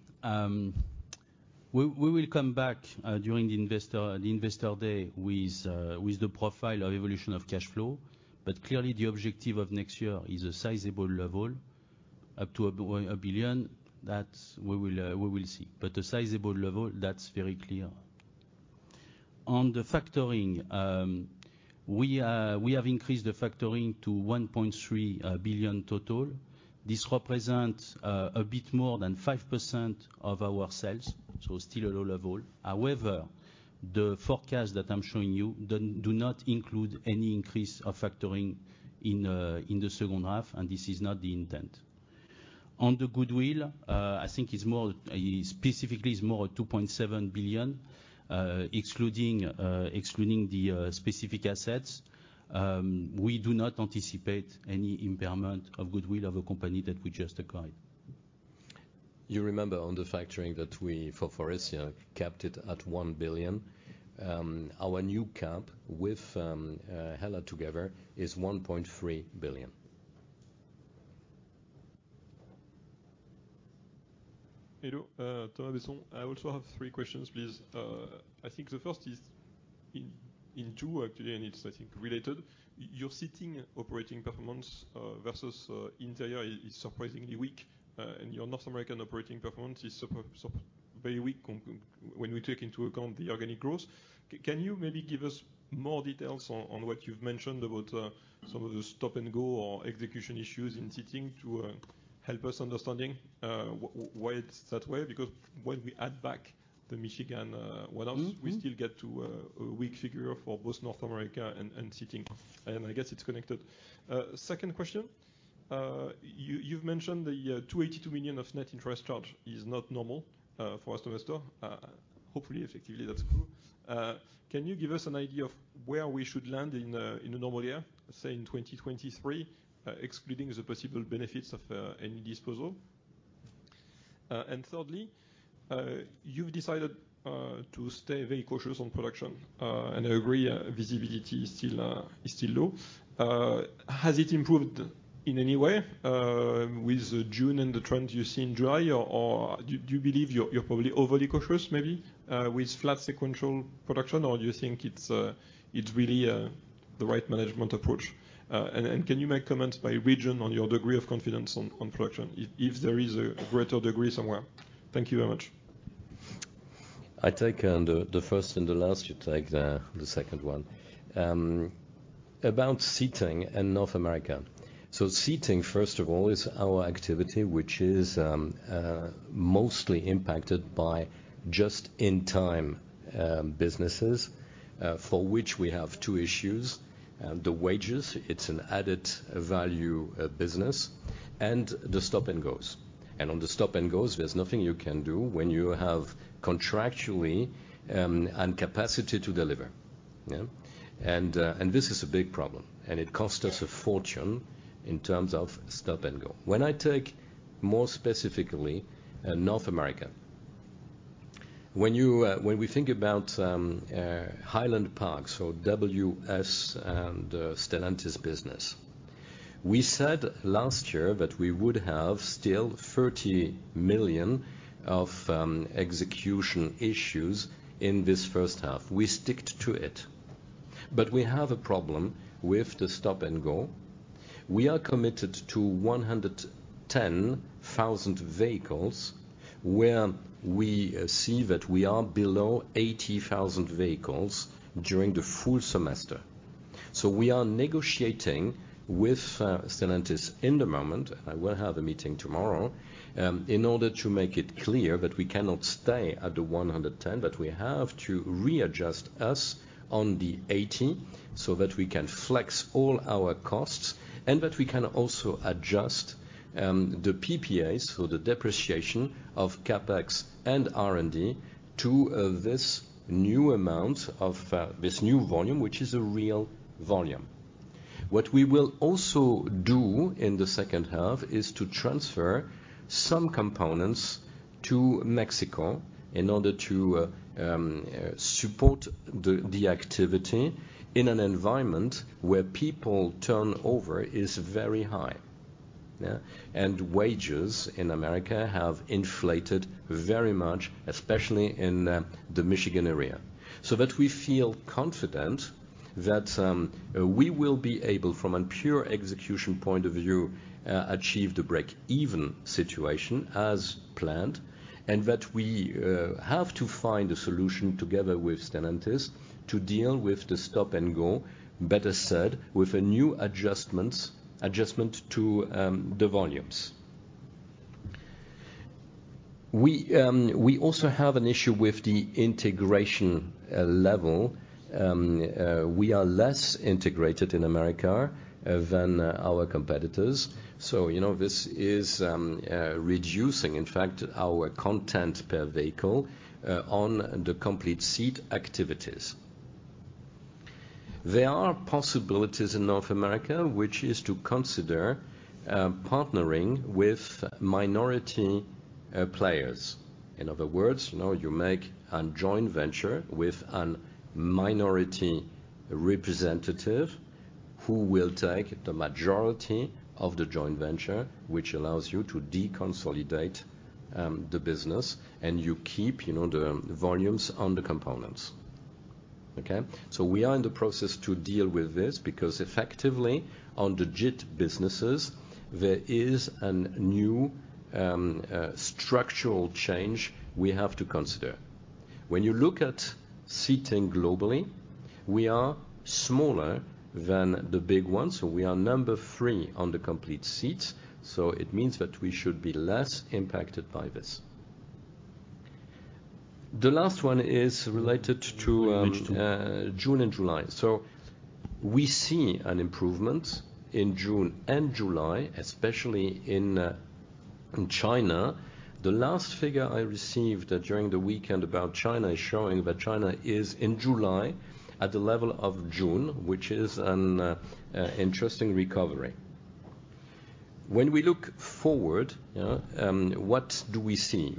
We will come back during the investor day with the profile of evolution of cash flow. Clearly the objective of next year is a sizable level up to a billion, that we will see. A sizable level, that's very clear. On the factoring, we have increased the factoring to 1.3 billion total. This represents a bit more than 5% of our sales, so still a low level. However, the forecast that I'm showing you does not include any increase of factoring in the second half, and this is not the intent. On the goodwill, I think it's more, specifically it's more 2.7 billion, excluding the specific assets. We do not anticipate any impairment of goodwill of a company that we just acquired. You remember on the factoring that we, for Faurecia, capped it at 1 billion. Our new cap with HELLA together is 1.3 billion. Hello, Thomas Besson. I also have three questions, please. I think the first is in two actually, and it's I think related. Your Seating operating performance versus Interiors is surprisingly weak, and your North American operating performance is very weak when we take into account the organic growth. Can you maybe give us more details on what you've mentioned about some of the stop and go or execution issues in Seating to help us understanding why it's that way? Because when we add back the Michigan, what else- Mm-hmm. We still get to a weak figure for both North America and Seating, and I guess it's connected. Second question, you've mentioned the 282 million of net interest charge is not normal for Faurecia. Hopefully, effectively, that's true. Can you give us an idea of where we should land in a normal year, say in 2023, excluding the possible benefits of any disposal? Thirdly, you've decided to stay very cautious on production, and I agree visibility is still low. Has it improved in any way with June and the trend you see in July? Or do you believe you're probably overly cautious maybe with flat sequential production? Or do you think it's really the right management approach? Can you make comments by region on your degree of confidence on production if there is a greater degree somewhere? Thank you very much. I take the first and the last. You take the second one. About Seating in North America. Seating, first of all, is our activity, which is mostly impacted by just-in-time businesses for which we have two issues. The wages, it's an added value business, and the stop and goes. On the stop and goes, there's nothing you can do when you have contractually incapacity to deliver, yeah. This is a big problem, and it costs us a fortune in terms of stop and go. When I take more specifically North America, when we think about Highland Park, so Windsor and Stellantis business, we said last year that we would have still 30 million of execution issues in this first half. We stuck to it. We have a problem with the stop and go. We are committed to 110,000 vehicles, where we see that we are below 80,000 vehicles during the full semester. We are negotiating with Stellantis in the moment. I will have a meeting tomorrow in order to make it clear that we cannot stay at the 110,000, but we have to readjust us on the 80,000 so that we can flex all our costs and that we can also adjust the PPA, so the depreciation of CapEx and R&D, to this new amount of this new volume, which is a real volume. What we will also do in the second half is to transfer some components to Mexico in order to support the activity in an environment where people turnover is very high, yeah? Wages in America have inflated very much, especially in the Michigan area. That we feel confident that we will be able, from a pure execution point of view, achieve the break-even situation as planned, and that we have to find a solution together with Stellantis to deal with the stop and go, better said, with a new adjustment to the volumes. We also have an issue with the integration level. We are less integrated in America than our competitors. You know, this is reducing, in fact, our content per vehicle on the complete seat activities. There are possibilities in North America, which is to consider partnering with minority players. In other words, you know, you make a joint venture with a minority representative who will take the majority of the joint venture, which allows you to deconsolidate the business, and you keep, you know, the volumes on the components. Okay? We are in the process to deal with this because effectively on the JIT businesses, there is a new structural change we have to consider. When you look at Seating globally, we are smaller than the big ones, so we are number three on the complete seats, so it means that we should be less impacted by this. The last one is related to June and July. We see an improvement in June and July, especially in China. The last figure I received during the weekend about China is showing that China is in July at the level of June, which is an interesting recovery. When we look forward, what do we see?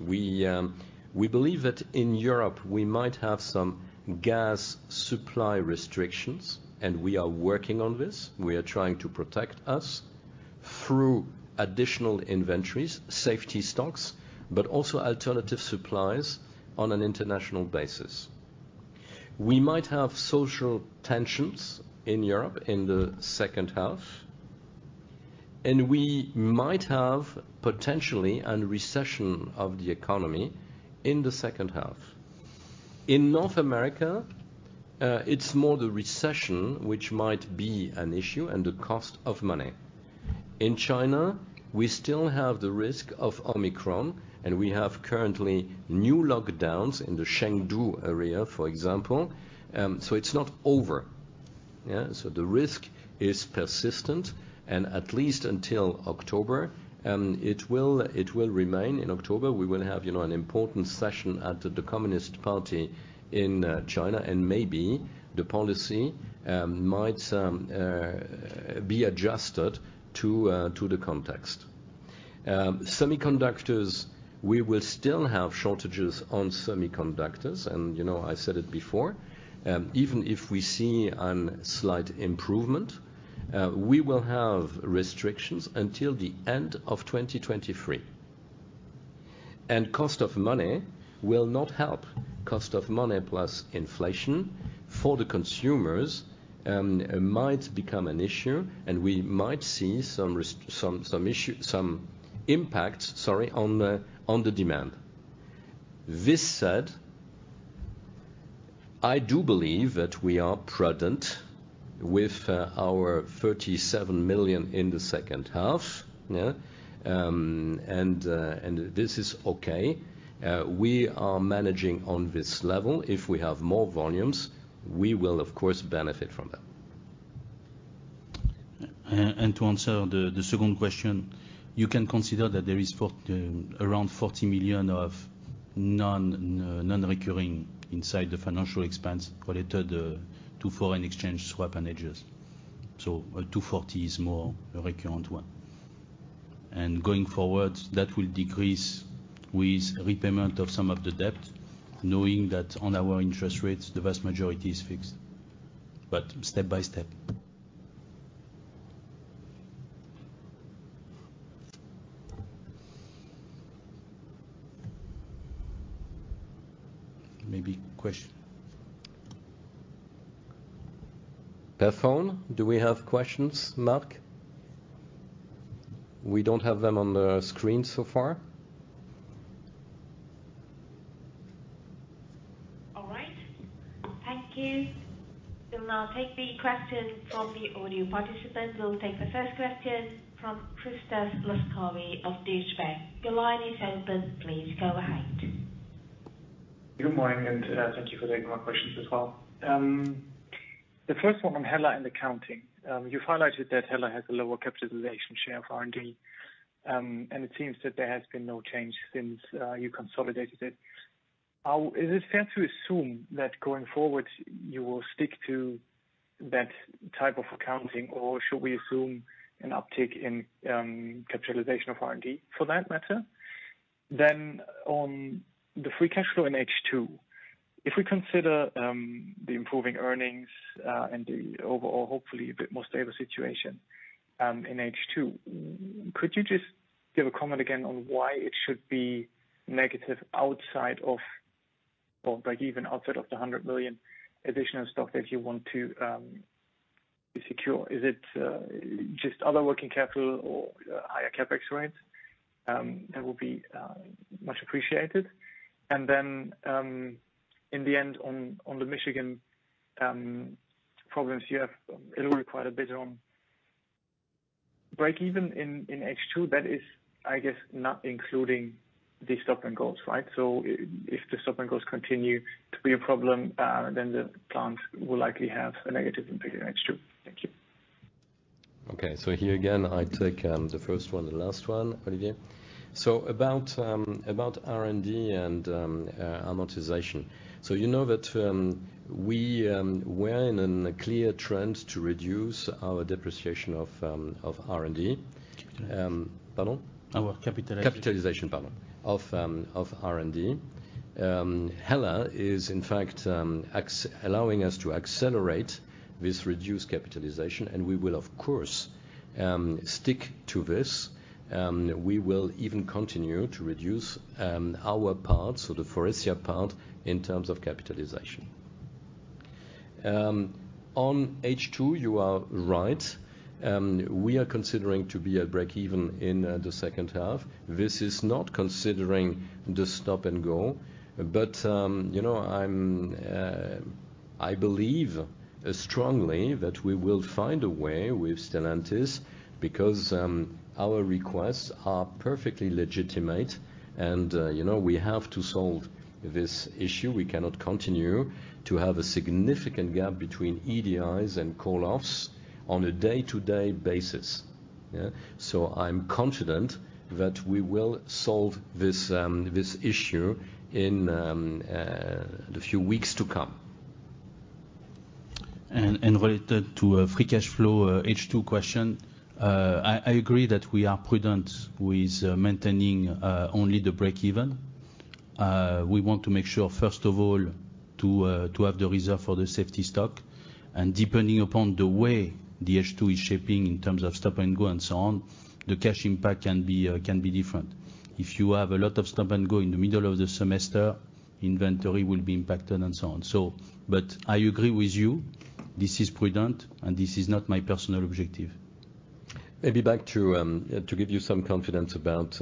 We believe that in Europe, we might have some gas supply restrictions, and we are working on this. We are trying to protect us through additional inventories, safety stocks, but also alternative supplies on an international basis. We might have social tensions in Europe in the second half, and we might have potentially a recession of the economy in the second half. In North America, it's more the recession which might be an issue and the cost of money. In China, we still have the risk of Omicron, and we have currently new lockdowns in the Chengdu area, for example. It's not over. Yeah. The risk is persistent, and at least until October, it will remain. In October, we will have, you know, an important session at the Communist Party in China, and maybe the policy might be adjusted to the context. Semiconductors, we will still have shortages on semiconductors. You know, I said it before, even if we see a slight improvement, we will have restrictions until the end of 2023. Cost of money will not help. Cost of money plus inflation for the consumers might become an issue, and we might see some impact on the demand. This said, I do believe that we are prudent with our 37 million in the second half, yeah. This is okay. We are managing on this level. If we have more volumes, we will of course benefit from that. To answer the second question, you can consider that there is around 40 million of non-recurring inside the financial expense related to foreign exchange swap and hedges. 240 is more a recurrent one. Going forward, that will decrease with repayment of some of the debt, knowing that on our interest rates, the vast majority is fixed. Step by step. Maybe question. From phone, do we have questions, Mark? We don't have them on the screen so far. All right. Thank you. We'll now take the question from the audio participant. We'll take the first question from Christoph Laskawi of Deutsche Bank. Your line is open. Please go ahead. Good morning, thank you for taking my questions as well. The first one on HELLA and accounting. You highlighted that HELLA has a lower capitalization share of R&D, and it seems that there has been no change since you consolidated it. Is it fair to assume that going forward you will stick to that type of accounting, or should we assume an uptick in capitalization of R&D for that matter? On the free cash flow in H2, if we consider the improving earnings and the overall, hopefully a bit more stable situation in H2, could you just give a comment again on why it should be negative outside of, or like even outside of the 100 million additional stock that you want to secure? Is it just other working capital or higher CapEx rates? That will be much appreciated. Then, in the end on the Michigan problems you have, it'll require a bit to break even in H2. That is, I guess, not including the stop and goes, right? If the stop and goes continue to be a problem, then the plant will likely have a negative impact in H2. Thank you. Here again, I take the first one and last one, Olivier. About R&D and amortization. You know that we're in a clear trend to reduce our depreciation of R&D. Capitalization. Pardon? Our capitalization. Capitalization, pardon. Of R&D. HELLA is in fact allowing us to accelerate this reduced capitalization, and we will of course stick to this. We will even continue to reduce our part, so the Faurecia part in terms of capitalization. On H2 you are right. We are considering to be at breakeven in the second half. This is not considering the stop and go, but you know, I believe strongly that we will find a way with Stellantis because our requests are perfectly legitimate and you know, we have to solve this issue. We cannot continue to have a significant gap between EDI and call offs on a day-to-day basis. Yeah. I'm confident that we will solve this issue in the few weeks to come. Related to free cash flow, H2 question. I agree that we are prudent with maintaining only the breakeven. We want to make sure, first of all, to have the reserve for the safety stock. Depending upon the way the H2 is shaping in terms of stop and go and so on, the cash impact can be different. If you have a lot of stop and go in the middle of the semester, inventory will be impacted and so on. But I agree with you, this is prudent and this is not my personal objective. Maybe back to give you some confidence about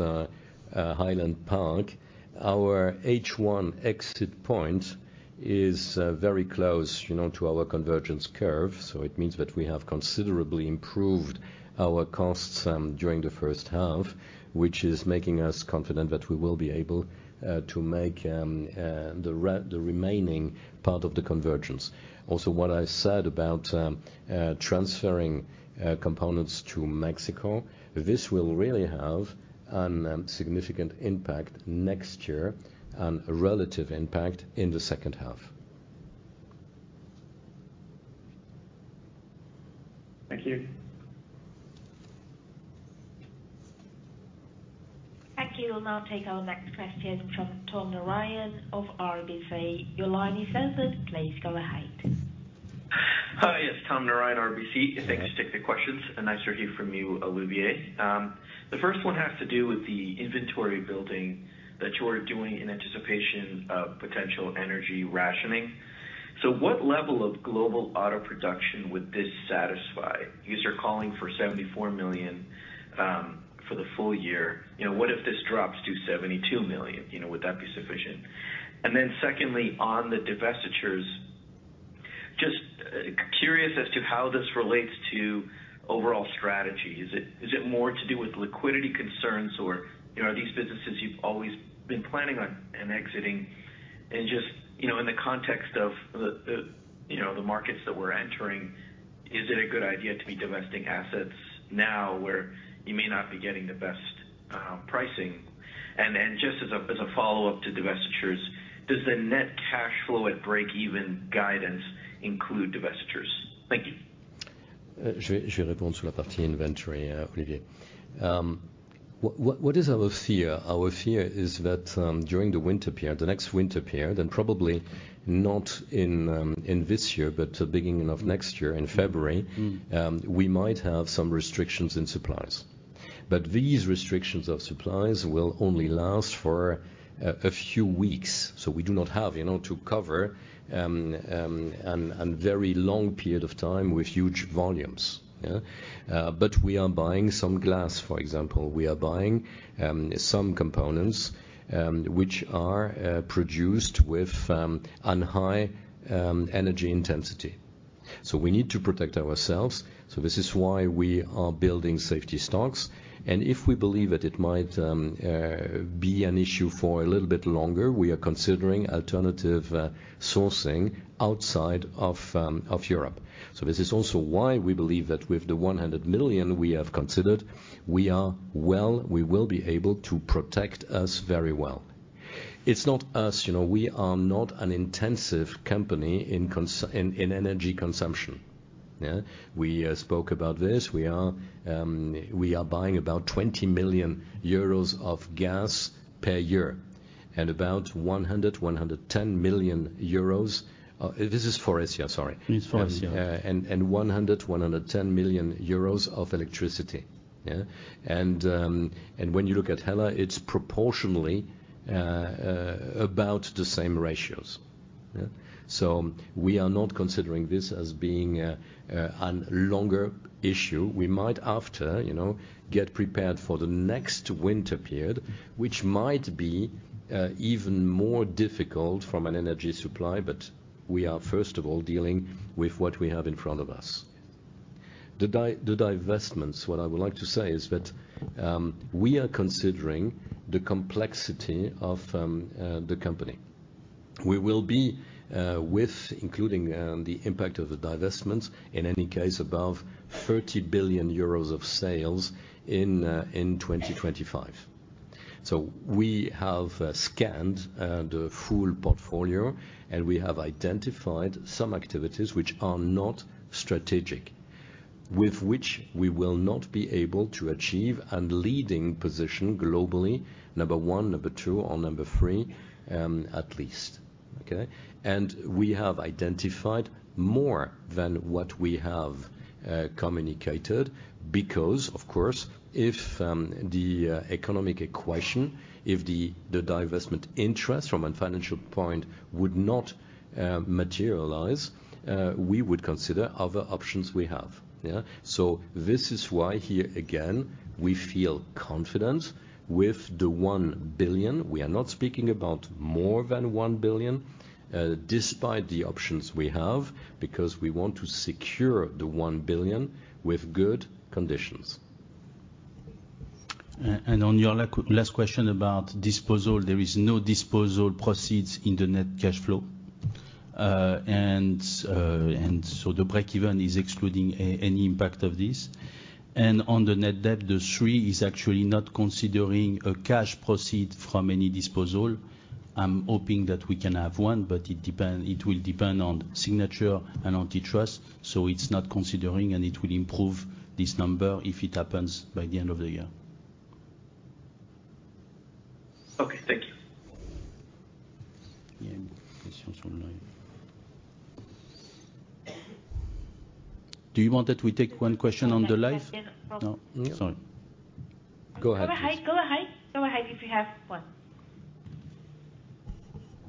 Highland Park. Our H1 exit point is very close, you know, to our convergence curve, so it means that we have considerably improved our costs during the first half, which is making us confident that we will be able to make the remaining part of the convergence. Also, what I said about transferring components to Mexico, this will really have a significant impact next year and a relative impact in the second half. Thank you. Thank you. We'll now take our next question from Tom Narayan of RBC. Your line is open. Please go ahead. Hi. Yes, Tom Narayan, RBC. Yes. Thanks for taking the questions, and nice to hear from you, Olivier. The first one has to do with the inventory building that you are doing in anticipation of potential energy rationing. What level of global auto production would this satisfy? You guys are calling for 74 million for the full year. You know, what if this drops to 72 million? You know, would that be sufficient? Secondly, on the divestitures, just curious as to how this relates to overall strategy. Is it more to do with liquidity concerns or, you know, are these businesses you've always been planning on exiting? You know, in the context of the markets that we're entering, is it a good idea to be divesting assets now where you may not be getting the best pricing? Just as a follow-up to divestitures, does the net cash flow at break-even guidance include divestitures? Thank you. Inventory, Olivier. What is our fear? Our fear is that during the winter period, the next winter period, and probably not in this year, but the beginning of next year in February, we might have some restrictions in supplies. These restrictions of supplies will only last for a few weeks, we do not have to cover a very long period of time with huge volumes. We are buying some glass, for example. We are buying some components which are produced with high energy intensity. We need to protect ourselves, so this is why we are building safety stocks. If we believe that it might be an issue for a little bit longer, we are considering alternative sourcing outside of Europe. This is also why we believe that with the 100 million we have considered, we are well, we will be able to protect us very well. It's not us. You know, we are not an energy-intensive company in energy consumption. We spoke about this. We are buying about 20 million euros of gas per year and about 110 million euros. This is for HYVIA, sorry. It's for HYVIA. And 110 million euros of electricity. And when you look at HELLA, it's proportionally about the same ratios. We are not considering this as being a longer issue. We might after get prepared for the next winter period, which might be even more difficult from an energy supply. We are first of all dealing with what we have in front of us. The divestments, what I would like to say is that we are considering the complexity of the company. We will be with including the impact of the divestments, in any case above 30 billion euros of sales in 2025. We have scanned the full portfolio, and we have identified some activities which are not strategic, with which we will not be able to achieve a leading position globally, number one, number two or number three, at least. Okay. We have identified more than what we have communicated because, of course, if the economic equation, if the divestment interest from a financial point would not materialize, we would consider other options we have. Yeah? This is why here again, we feel confident with the 1 billion. We are not speaking about more than 1 billion, despite the options we have, because we want to secure the 1 billion with good conditions. On your last question about disposal, there is no disposal proceeds in the net cash flow. The breakeven is excluding any impact of this. On the net debt, the three is actually not considering a cash proceeds from any disposal. I'm hoping that we can have one, but it will depend on signing and antitrust, so it's not considering, and it will improve this number if it happens by the end of the year. Okay, thank you. Yeah. Questions from line. Do you want that we take one question on the line? One question from. No? Sorry. Go ahead, please. Go ahead, if you have one.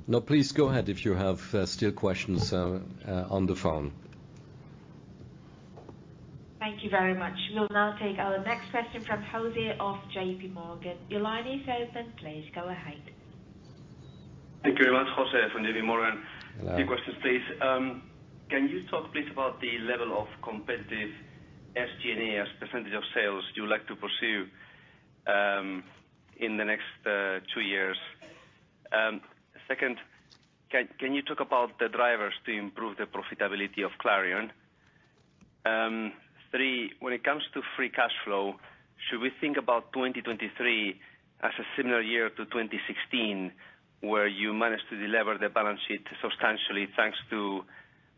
No, please go ahead if you have still questions on the phone. Thank you very much. We'll now take our next question from José of JPMorgan. Your line is open. Please go ahead. Thank you very much, José from JPMorgan. Hello. Few questions, please. Can you talk a bit about the level of SG&A as percentage of sales you'd like to pursue in the next two years? Second, can you talk about the drivers to improve the profitability of Clarion? Three, when it comes to free cash flow, should we think about 2023 as a similar year to 2016, where you managed to delever the balance sheet substantially thanks to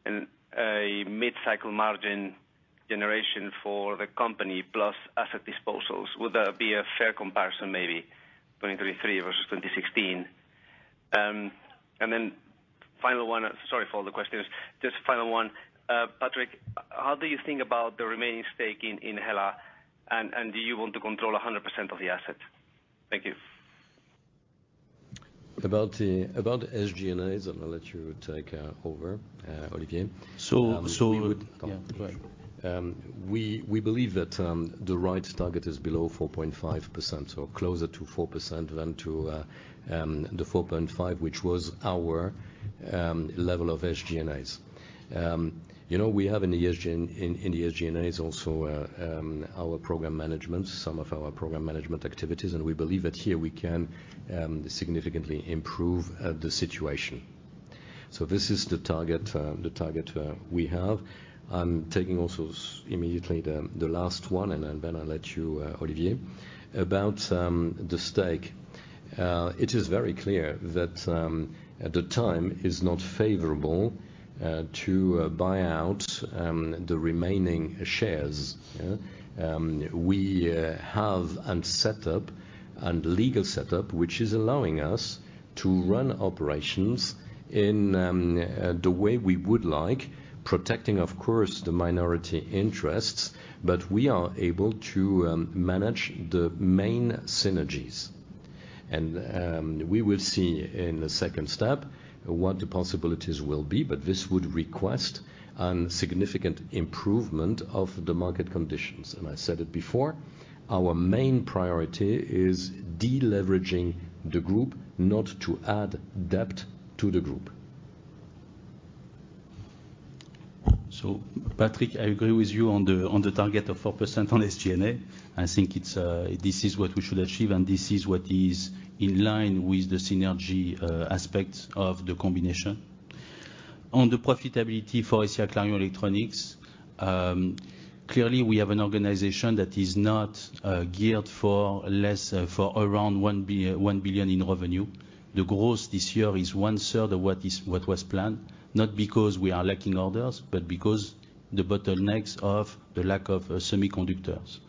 a mid-cycle margin generation for the company plus asset disposals? Would that be a fair comparison maybe, 2023 versus 2016? And then final one. Sorry for all the questions. Just final one, Patrick, how do you think about the remaining stake in HELLA and do you want to control 100% of the assets? Thank you. About the S, G, and Es, I'm gonna let you take over, Olivier. So, so- We would- Yeah, go ahead. We believe that the right target is below 4.5%, so closer to 4% than to the 4.5%, which was our level of SG&A. You know, we have in the SG&A also our program management, some of our program management activities, and we believe that here we can significantly improve the situation. This is the target we have. I'm taking also immediately the last one, and then I'll let you, Olivier. About the stake, it is very clear that the time is not favorable to buy out the remaining shares. Yeah? We have a setup and a legal setup, which is allowing us to run operations in the way we would like, protecting, of course, the minority interests, but we are able to manage the main synergies. We will see in the second step what the possibilities will be, but this would require a significant improvement of the market conditions. I said it before, our main priority is deleveraging the group, not to add debt to the group. Patrick, I agree with you on the target of 4% on SG&A. I think it's this is what we should achieve, and this is what is in line with the synergy aspects of the combination. On the profitability for Faurecia Clarion Electronics, clearly we have an organization that is not geared for less for around 1 billion in revenue. The growth this year is one-third of what was planned, not because we are lacking orders, but because the bottlenecks of the lack of semiconductors.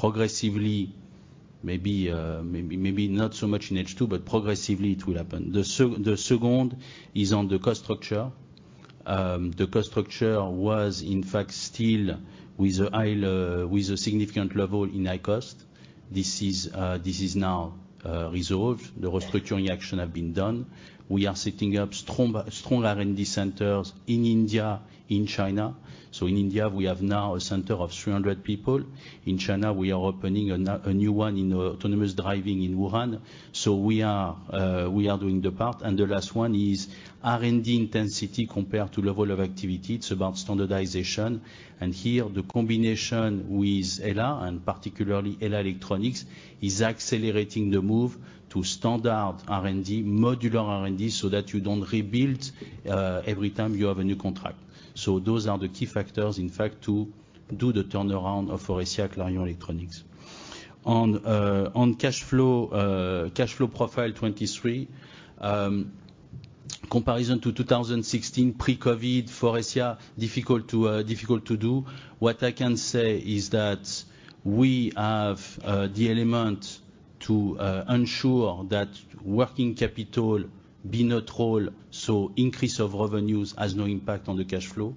Progressively, maybe not so much in H2, but progressively it will happen. The second is on the cost structure. The cost structure was in fact still with a significant level in high cost. This is now resolved. The restructuring action have been done. We are setting up strong R&D centers in India, in China. In India, we have now a center of 300 people. In China, we are opening a new one in autonomous driving in Wuhan. We are doing the part. The last one is R&D intensity compared to level of activity. It's about standardization. Here, the combination with HELLA, and particularly Hella Electronics, is accelerating the move to standard R&D, modular R&D, so that you don't rebuild every time you have a new contract. Those are the key factors, in fact, to do the turnaround of Faurecia Clarion Electronics. On cashflow profile 2023, comparison to 2016 pre-COVID, Faurecia difficult to do. What I can say is that we have the elements to ensure that working capital be controlled, so increase of revenues has no impact on the cash flow.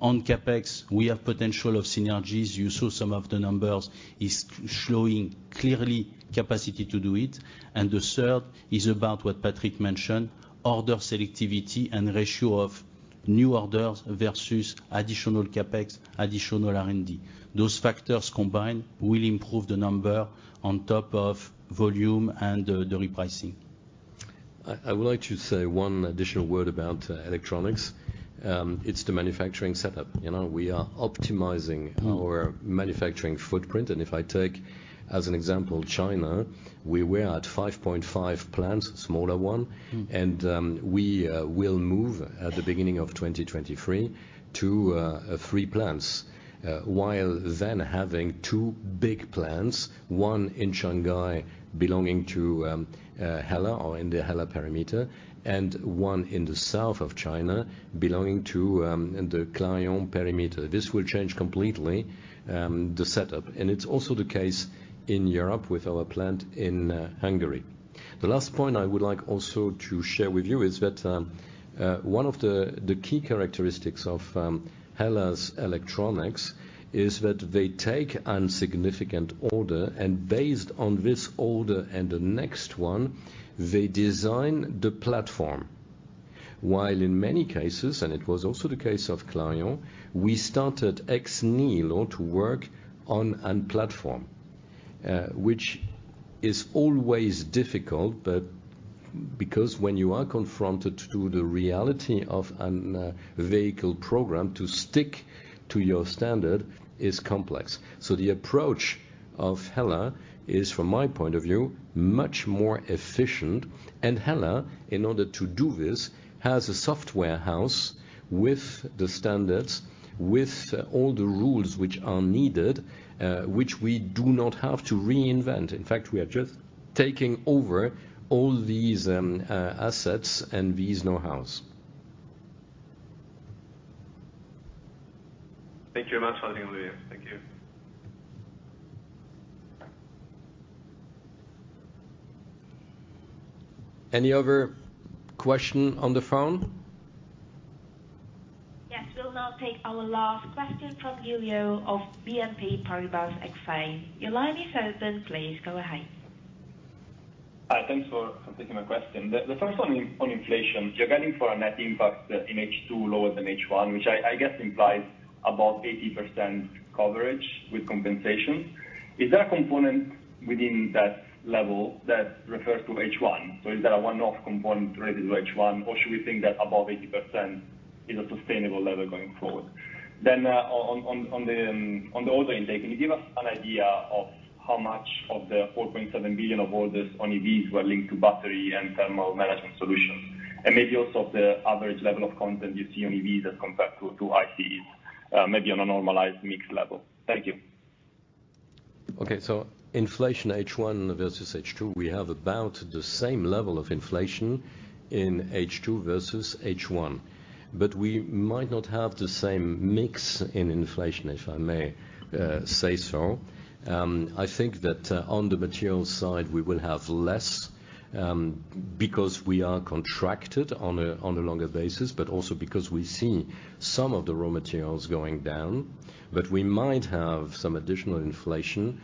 On CapEx, we have potential of synergies. You saw some of the numbers is showing clearly capacity to do it. The third is about what Patrick mentioned, order selectivity and ratio of new orders versus additional CapEx, additional R&D. Those factors combined will improve the number on top of volume and the repricing. I would like to say one additional word about electronics. It's the manufacturing setup. You know, we are optimizing our manufacturing footprint. If I take, as an example, China, we were at 5.5 plants, smaller one, and we will move at the beginning of 2023 to three plants. While then having two big plants, one in Shanghai belonging to HELLA or in the HELLA perimeter, and one in the south of China belonging to in the Clarion perimeter. This will change completely the setup. It's also the case in Europe with our plant in Hungary. The last point I would like also to share with you is that, one of the key characteristics of HELLA's electronics is that they take a significant order, and based on this order and the next one, they design the platform. While in many cases, and it was also the case of Clarion, we started ex nihilo to work on a platform. Which is always difficult, but because when you are confronted to the reality of a vehicle program, to stick to your standard is complex. The approach of HELLA is, from my point of view, much more efficient. HELLA, in order to do this, has a software house with the standards, with all the rules which are needed, which we do not have to reinvent. In fact, we are just taking over all these assets and these know-how. Thank you very much. Thank you. Any other question on the phone? Yes. We'll now take our last question from Giulio of BNP Paribas Exane. Your line is open. Please go ahead. Thanks for taking my question. The first one on inflation. You're guiding for a net impact in H2 lower than H1, which I guess implies about 80% coverage with compensation. Is there a component within that level that refers to H1? So is there a one-off component related to H1, or should we think that above 80% is a sustainable level going forward? On the order intake, can you give us an idea of how much of the 4.7 billion of orders on EVs were linked to battery and thermal management solutions? And maybe also the average level of content you see on EVs as compared to ICEs, maybe on a normalized mixed level. Thank you. Okay. Inflation H1 versus H2, we have about the same level of inflation in H2 versus H1. We might not have the same mix in inflation, if I may say so. I think that on the materials side, we will have less because we are contracted on a longer basis, but also because we see some of the raw materials going down. We might have some additional inflation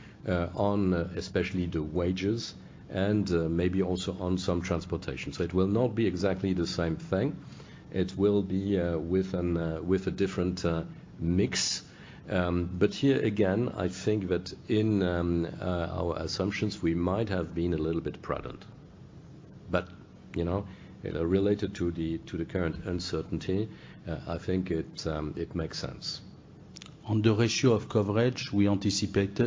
on especially the wages and maybe also on some transportation. It will not be exactly the same thing. It will be with a different mix. Here again, I think that in our assumptions, we might have been a little bit prudent. You know, related to the current uncertainty, I think it makes sense. On the ratio of coverage, we anticipate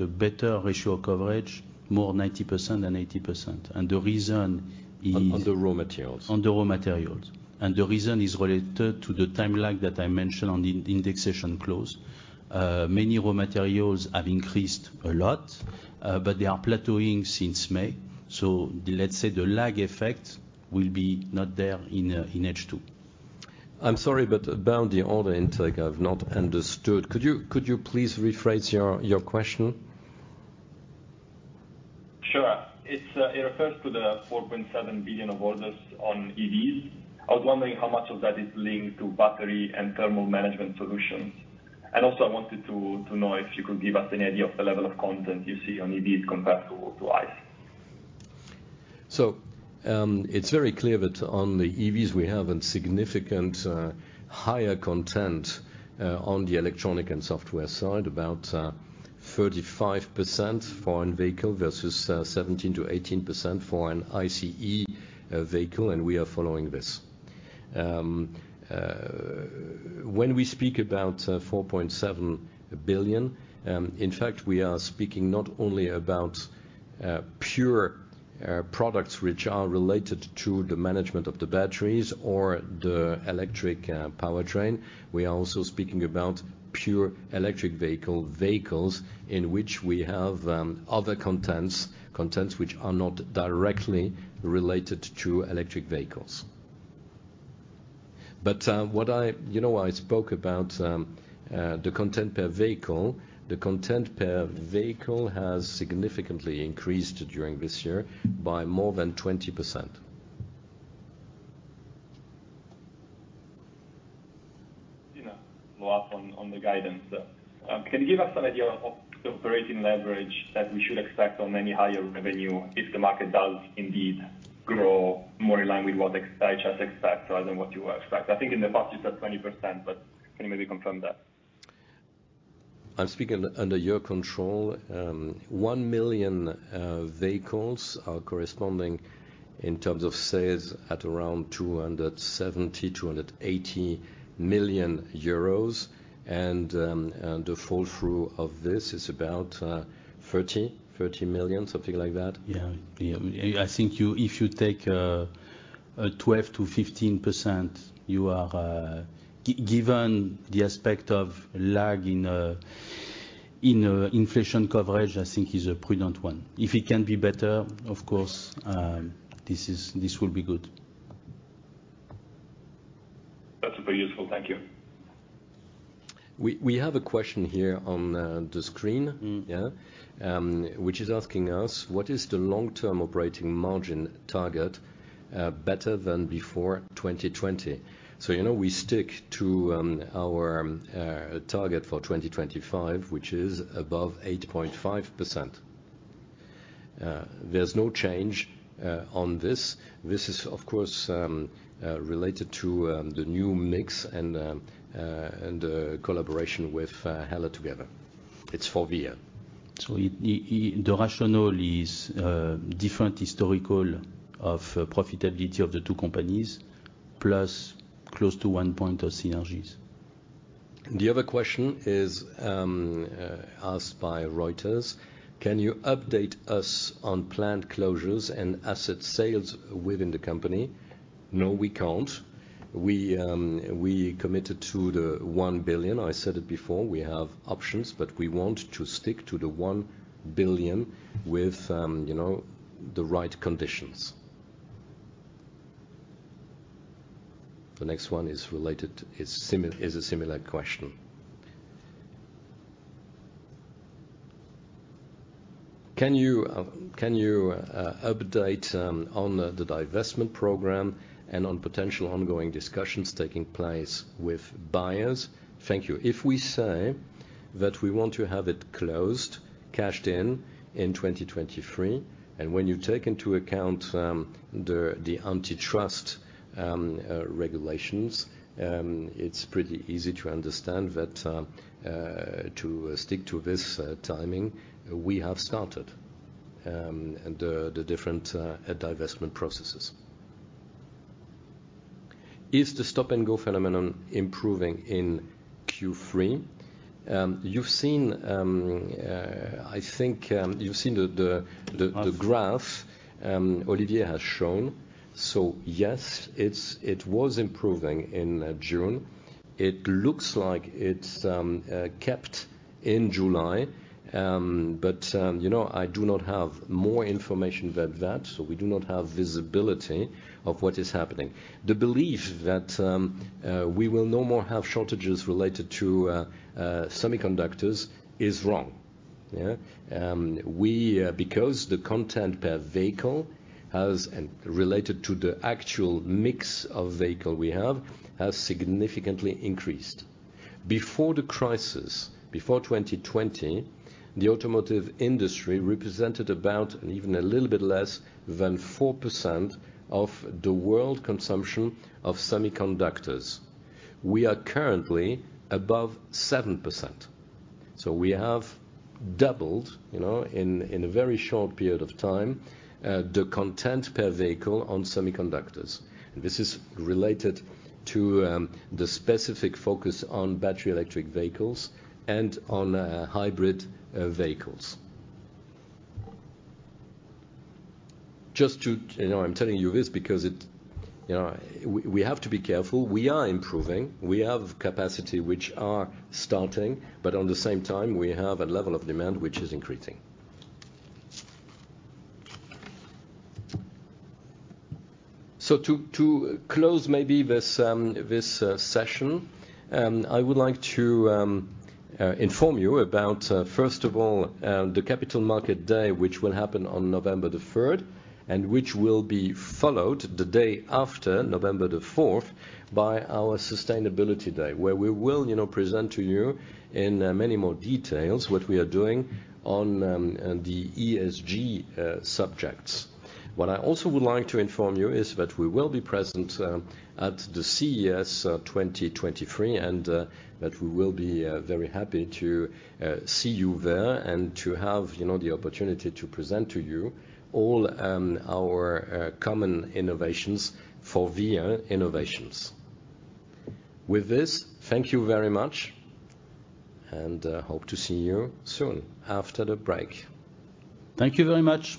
a better ratio of coverage, more 90% than 80%. The reason is- On the raw materials. On the raw materials. The reason is related to the timeline that I mentioned on the indexation clause. Many raw materials have increased a lot, but they are plateauing since May. Let's say the lag effect will be not there in H2. I'm sorry, but about the order intake, I've not understood. Could you please rephrase your question? It refers to the 4.7 billion of orders on EVs. I was wondering how much of that is linked to battery and thermal management solutions. I wanted to know if you could give us an idea of the level of content you see on EVs comparable to ICE. It's very clear that on the EVs we have a significant higher content on the electronic and software side, about 35% for a vehicle versus 17%-18% for an ICE vehicle, and we are following this. When we speak about 4.7 billion, in fact, we are speaking not only about pure products which are related to the management of the batteries or the electric powertrain. We are also speaking about pure electric vehicles in which we have other contents which are not directly related to electric vehicles. What I, you know, I spoke about the content per vehicle. The content per vehicle has significantly increased during this year by more than 20%. You know, more often on the guidance. Can you give us an idea of the operating leverage that we should expect on any higher revenue if the market does indeed grow more in line with what IHS expects rather than what you expect? I think in the past it's at 20%, but can you maybe confirm that? I'm speaking under your control. One million vehicles are corresponding in terms of sales at around 270 million-280 million euros. The flow-through of this is about 30 million, something like that. Yeah. I think if you take a 12%-15%, you are given the aspect of lag in inflation coverage, I think is a prudent one. If it can be better, of course, this will be good. That's super useful. Thank you. We have a question here on the screen. Mm. Yeah. Which is asking us, "What is the long-term operating margin target, better than before 2020?" You know, we stick to our target for 2025, which is above 8.5%. There's no change on this. This is of course related to the new mix and the collaboration with HELLA together. It's Forvia. The rationale is different histories of profitability of the two companies, plus close to one point of synergies. The other question is asked by Reuters: "Can you update us on planned closures and asset sales within the company?" No, we can't. We committed to the 1 billion. I said it before, we have options. We want to stick to the 1 billion with you know the right conditions. The next one is a similar question. "Can you update on the divestment program and on potential ongoing discussions taking place with buyers? Thank you." If we say that we want to have it closed, cashed in in 2023, and when you take into account the antitrust regulations, it's pretty easy to understand that to stick to this timing, we have started the different divestment processes. Is the stop-and-go phenomenon improving in Q3?" You've seen the graph Olivier has shown. Yes, it was improving in June. It looks like it's kept in July. You know, I do not have more information than that, so we do not have visibility of what is happening. The belief that we will no more have shortages related to semiconductors is wrong. Yeah. Because the content per vehicle has, and related to the actual mix of vehicle we have, has significantly increased. Before the crisis, before 2020, the automotive industry represented about and even a little bit less than 4% of the world consumption of semiconductors. We are currently above 7%. We have doubled, you know, in a very short period of time, the content per vehicle on semiconductors. This is related to the specific focus on battery electric vehicles and on hybrid vehicles. You know, I'm telling you this because it you know, we have to be careful. We are improving. We have capacity which are starting, but on the same time, we have a level of demand which is increasing. To close maybe this session, I would like to inform you about, first of all, the capital market day, which will happen on November 3rd, and which will be followed the day after, November 4th, by our sustainability day, where we will, you know, present to you in many more details what we are doing on the ESG subjects. What I also would like to inform you is that we will be present at the CES 2023, and that we will be very happy to see you there and to have, you know, the opportunity to present to you all our common innovations for Forvia innovations. With this, thank you very much and hope to see you soon after the break. Thank you very much.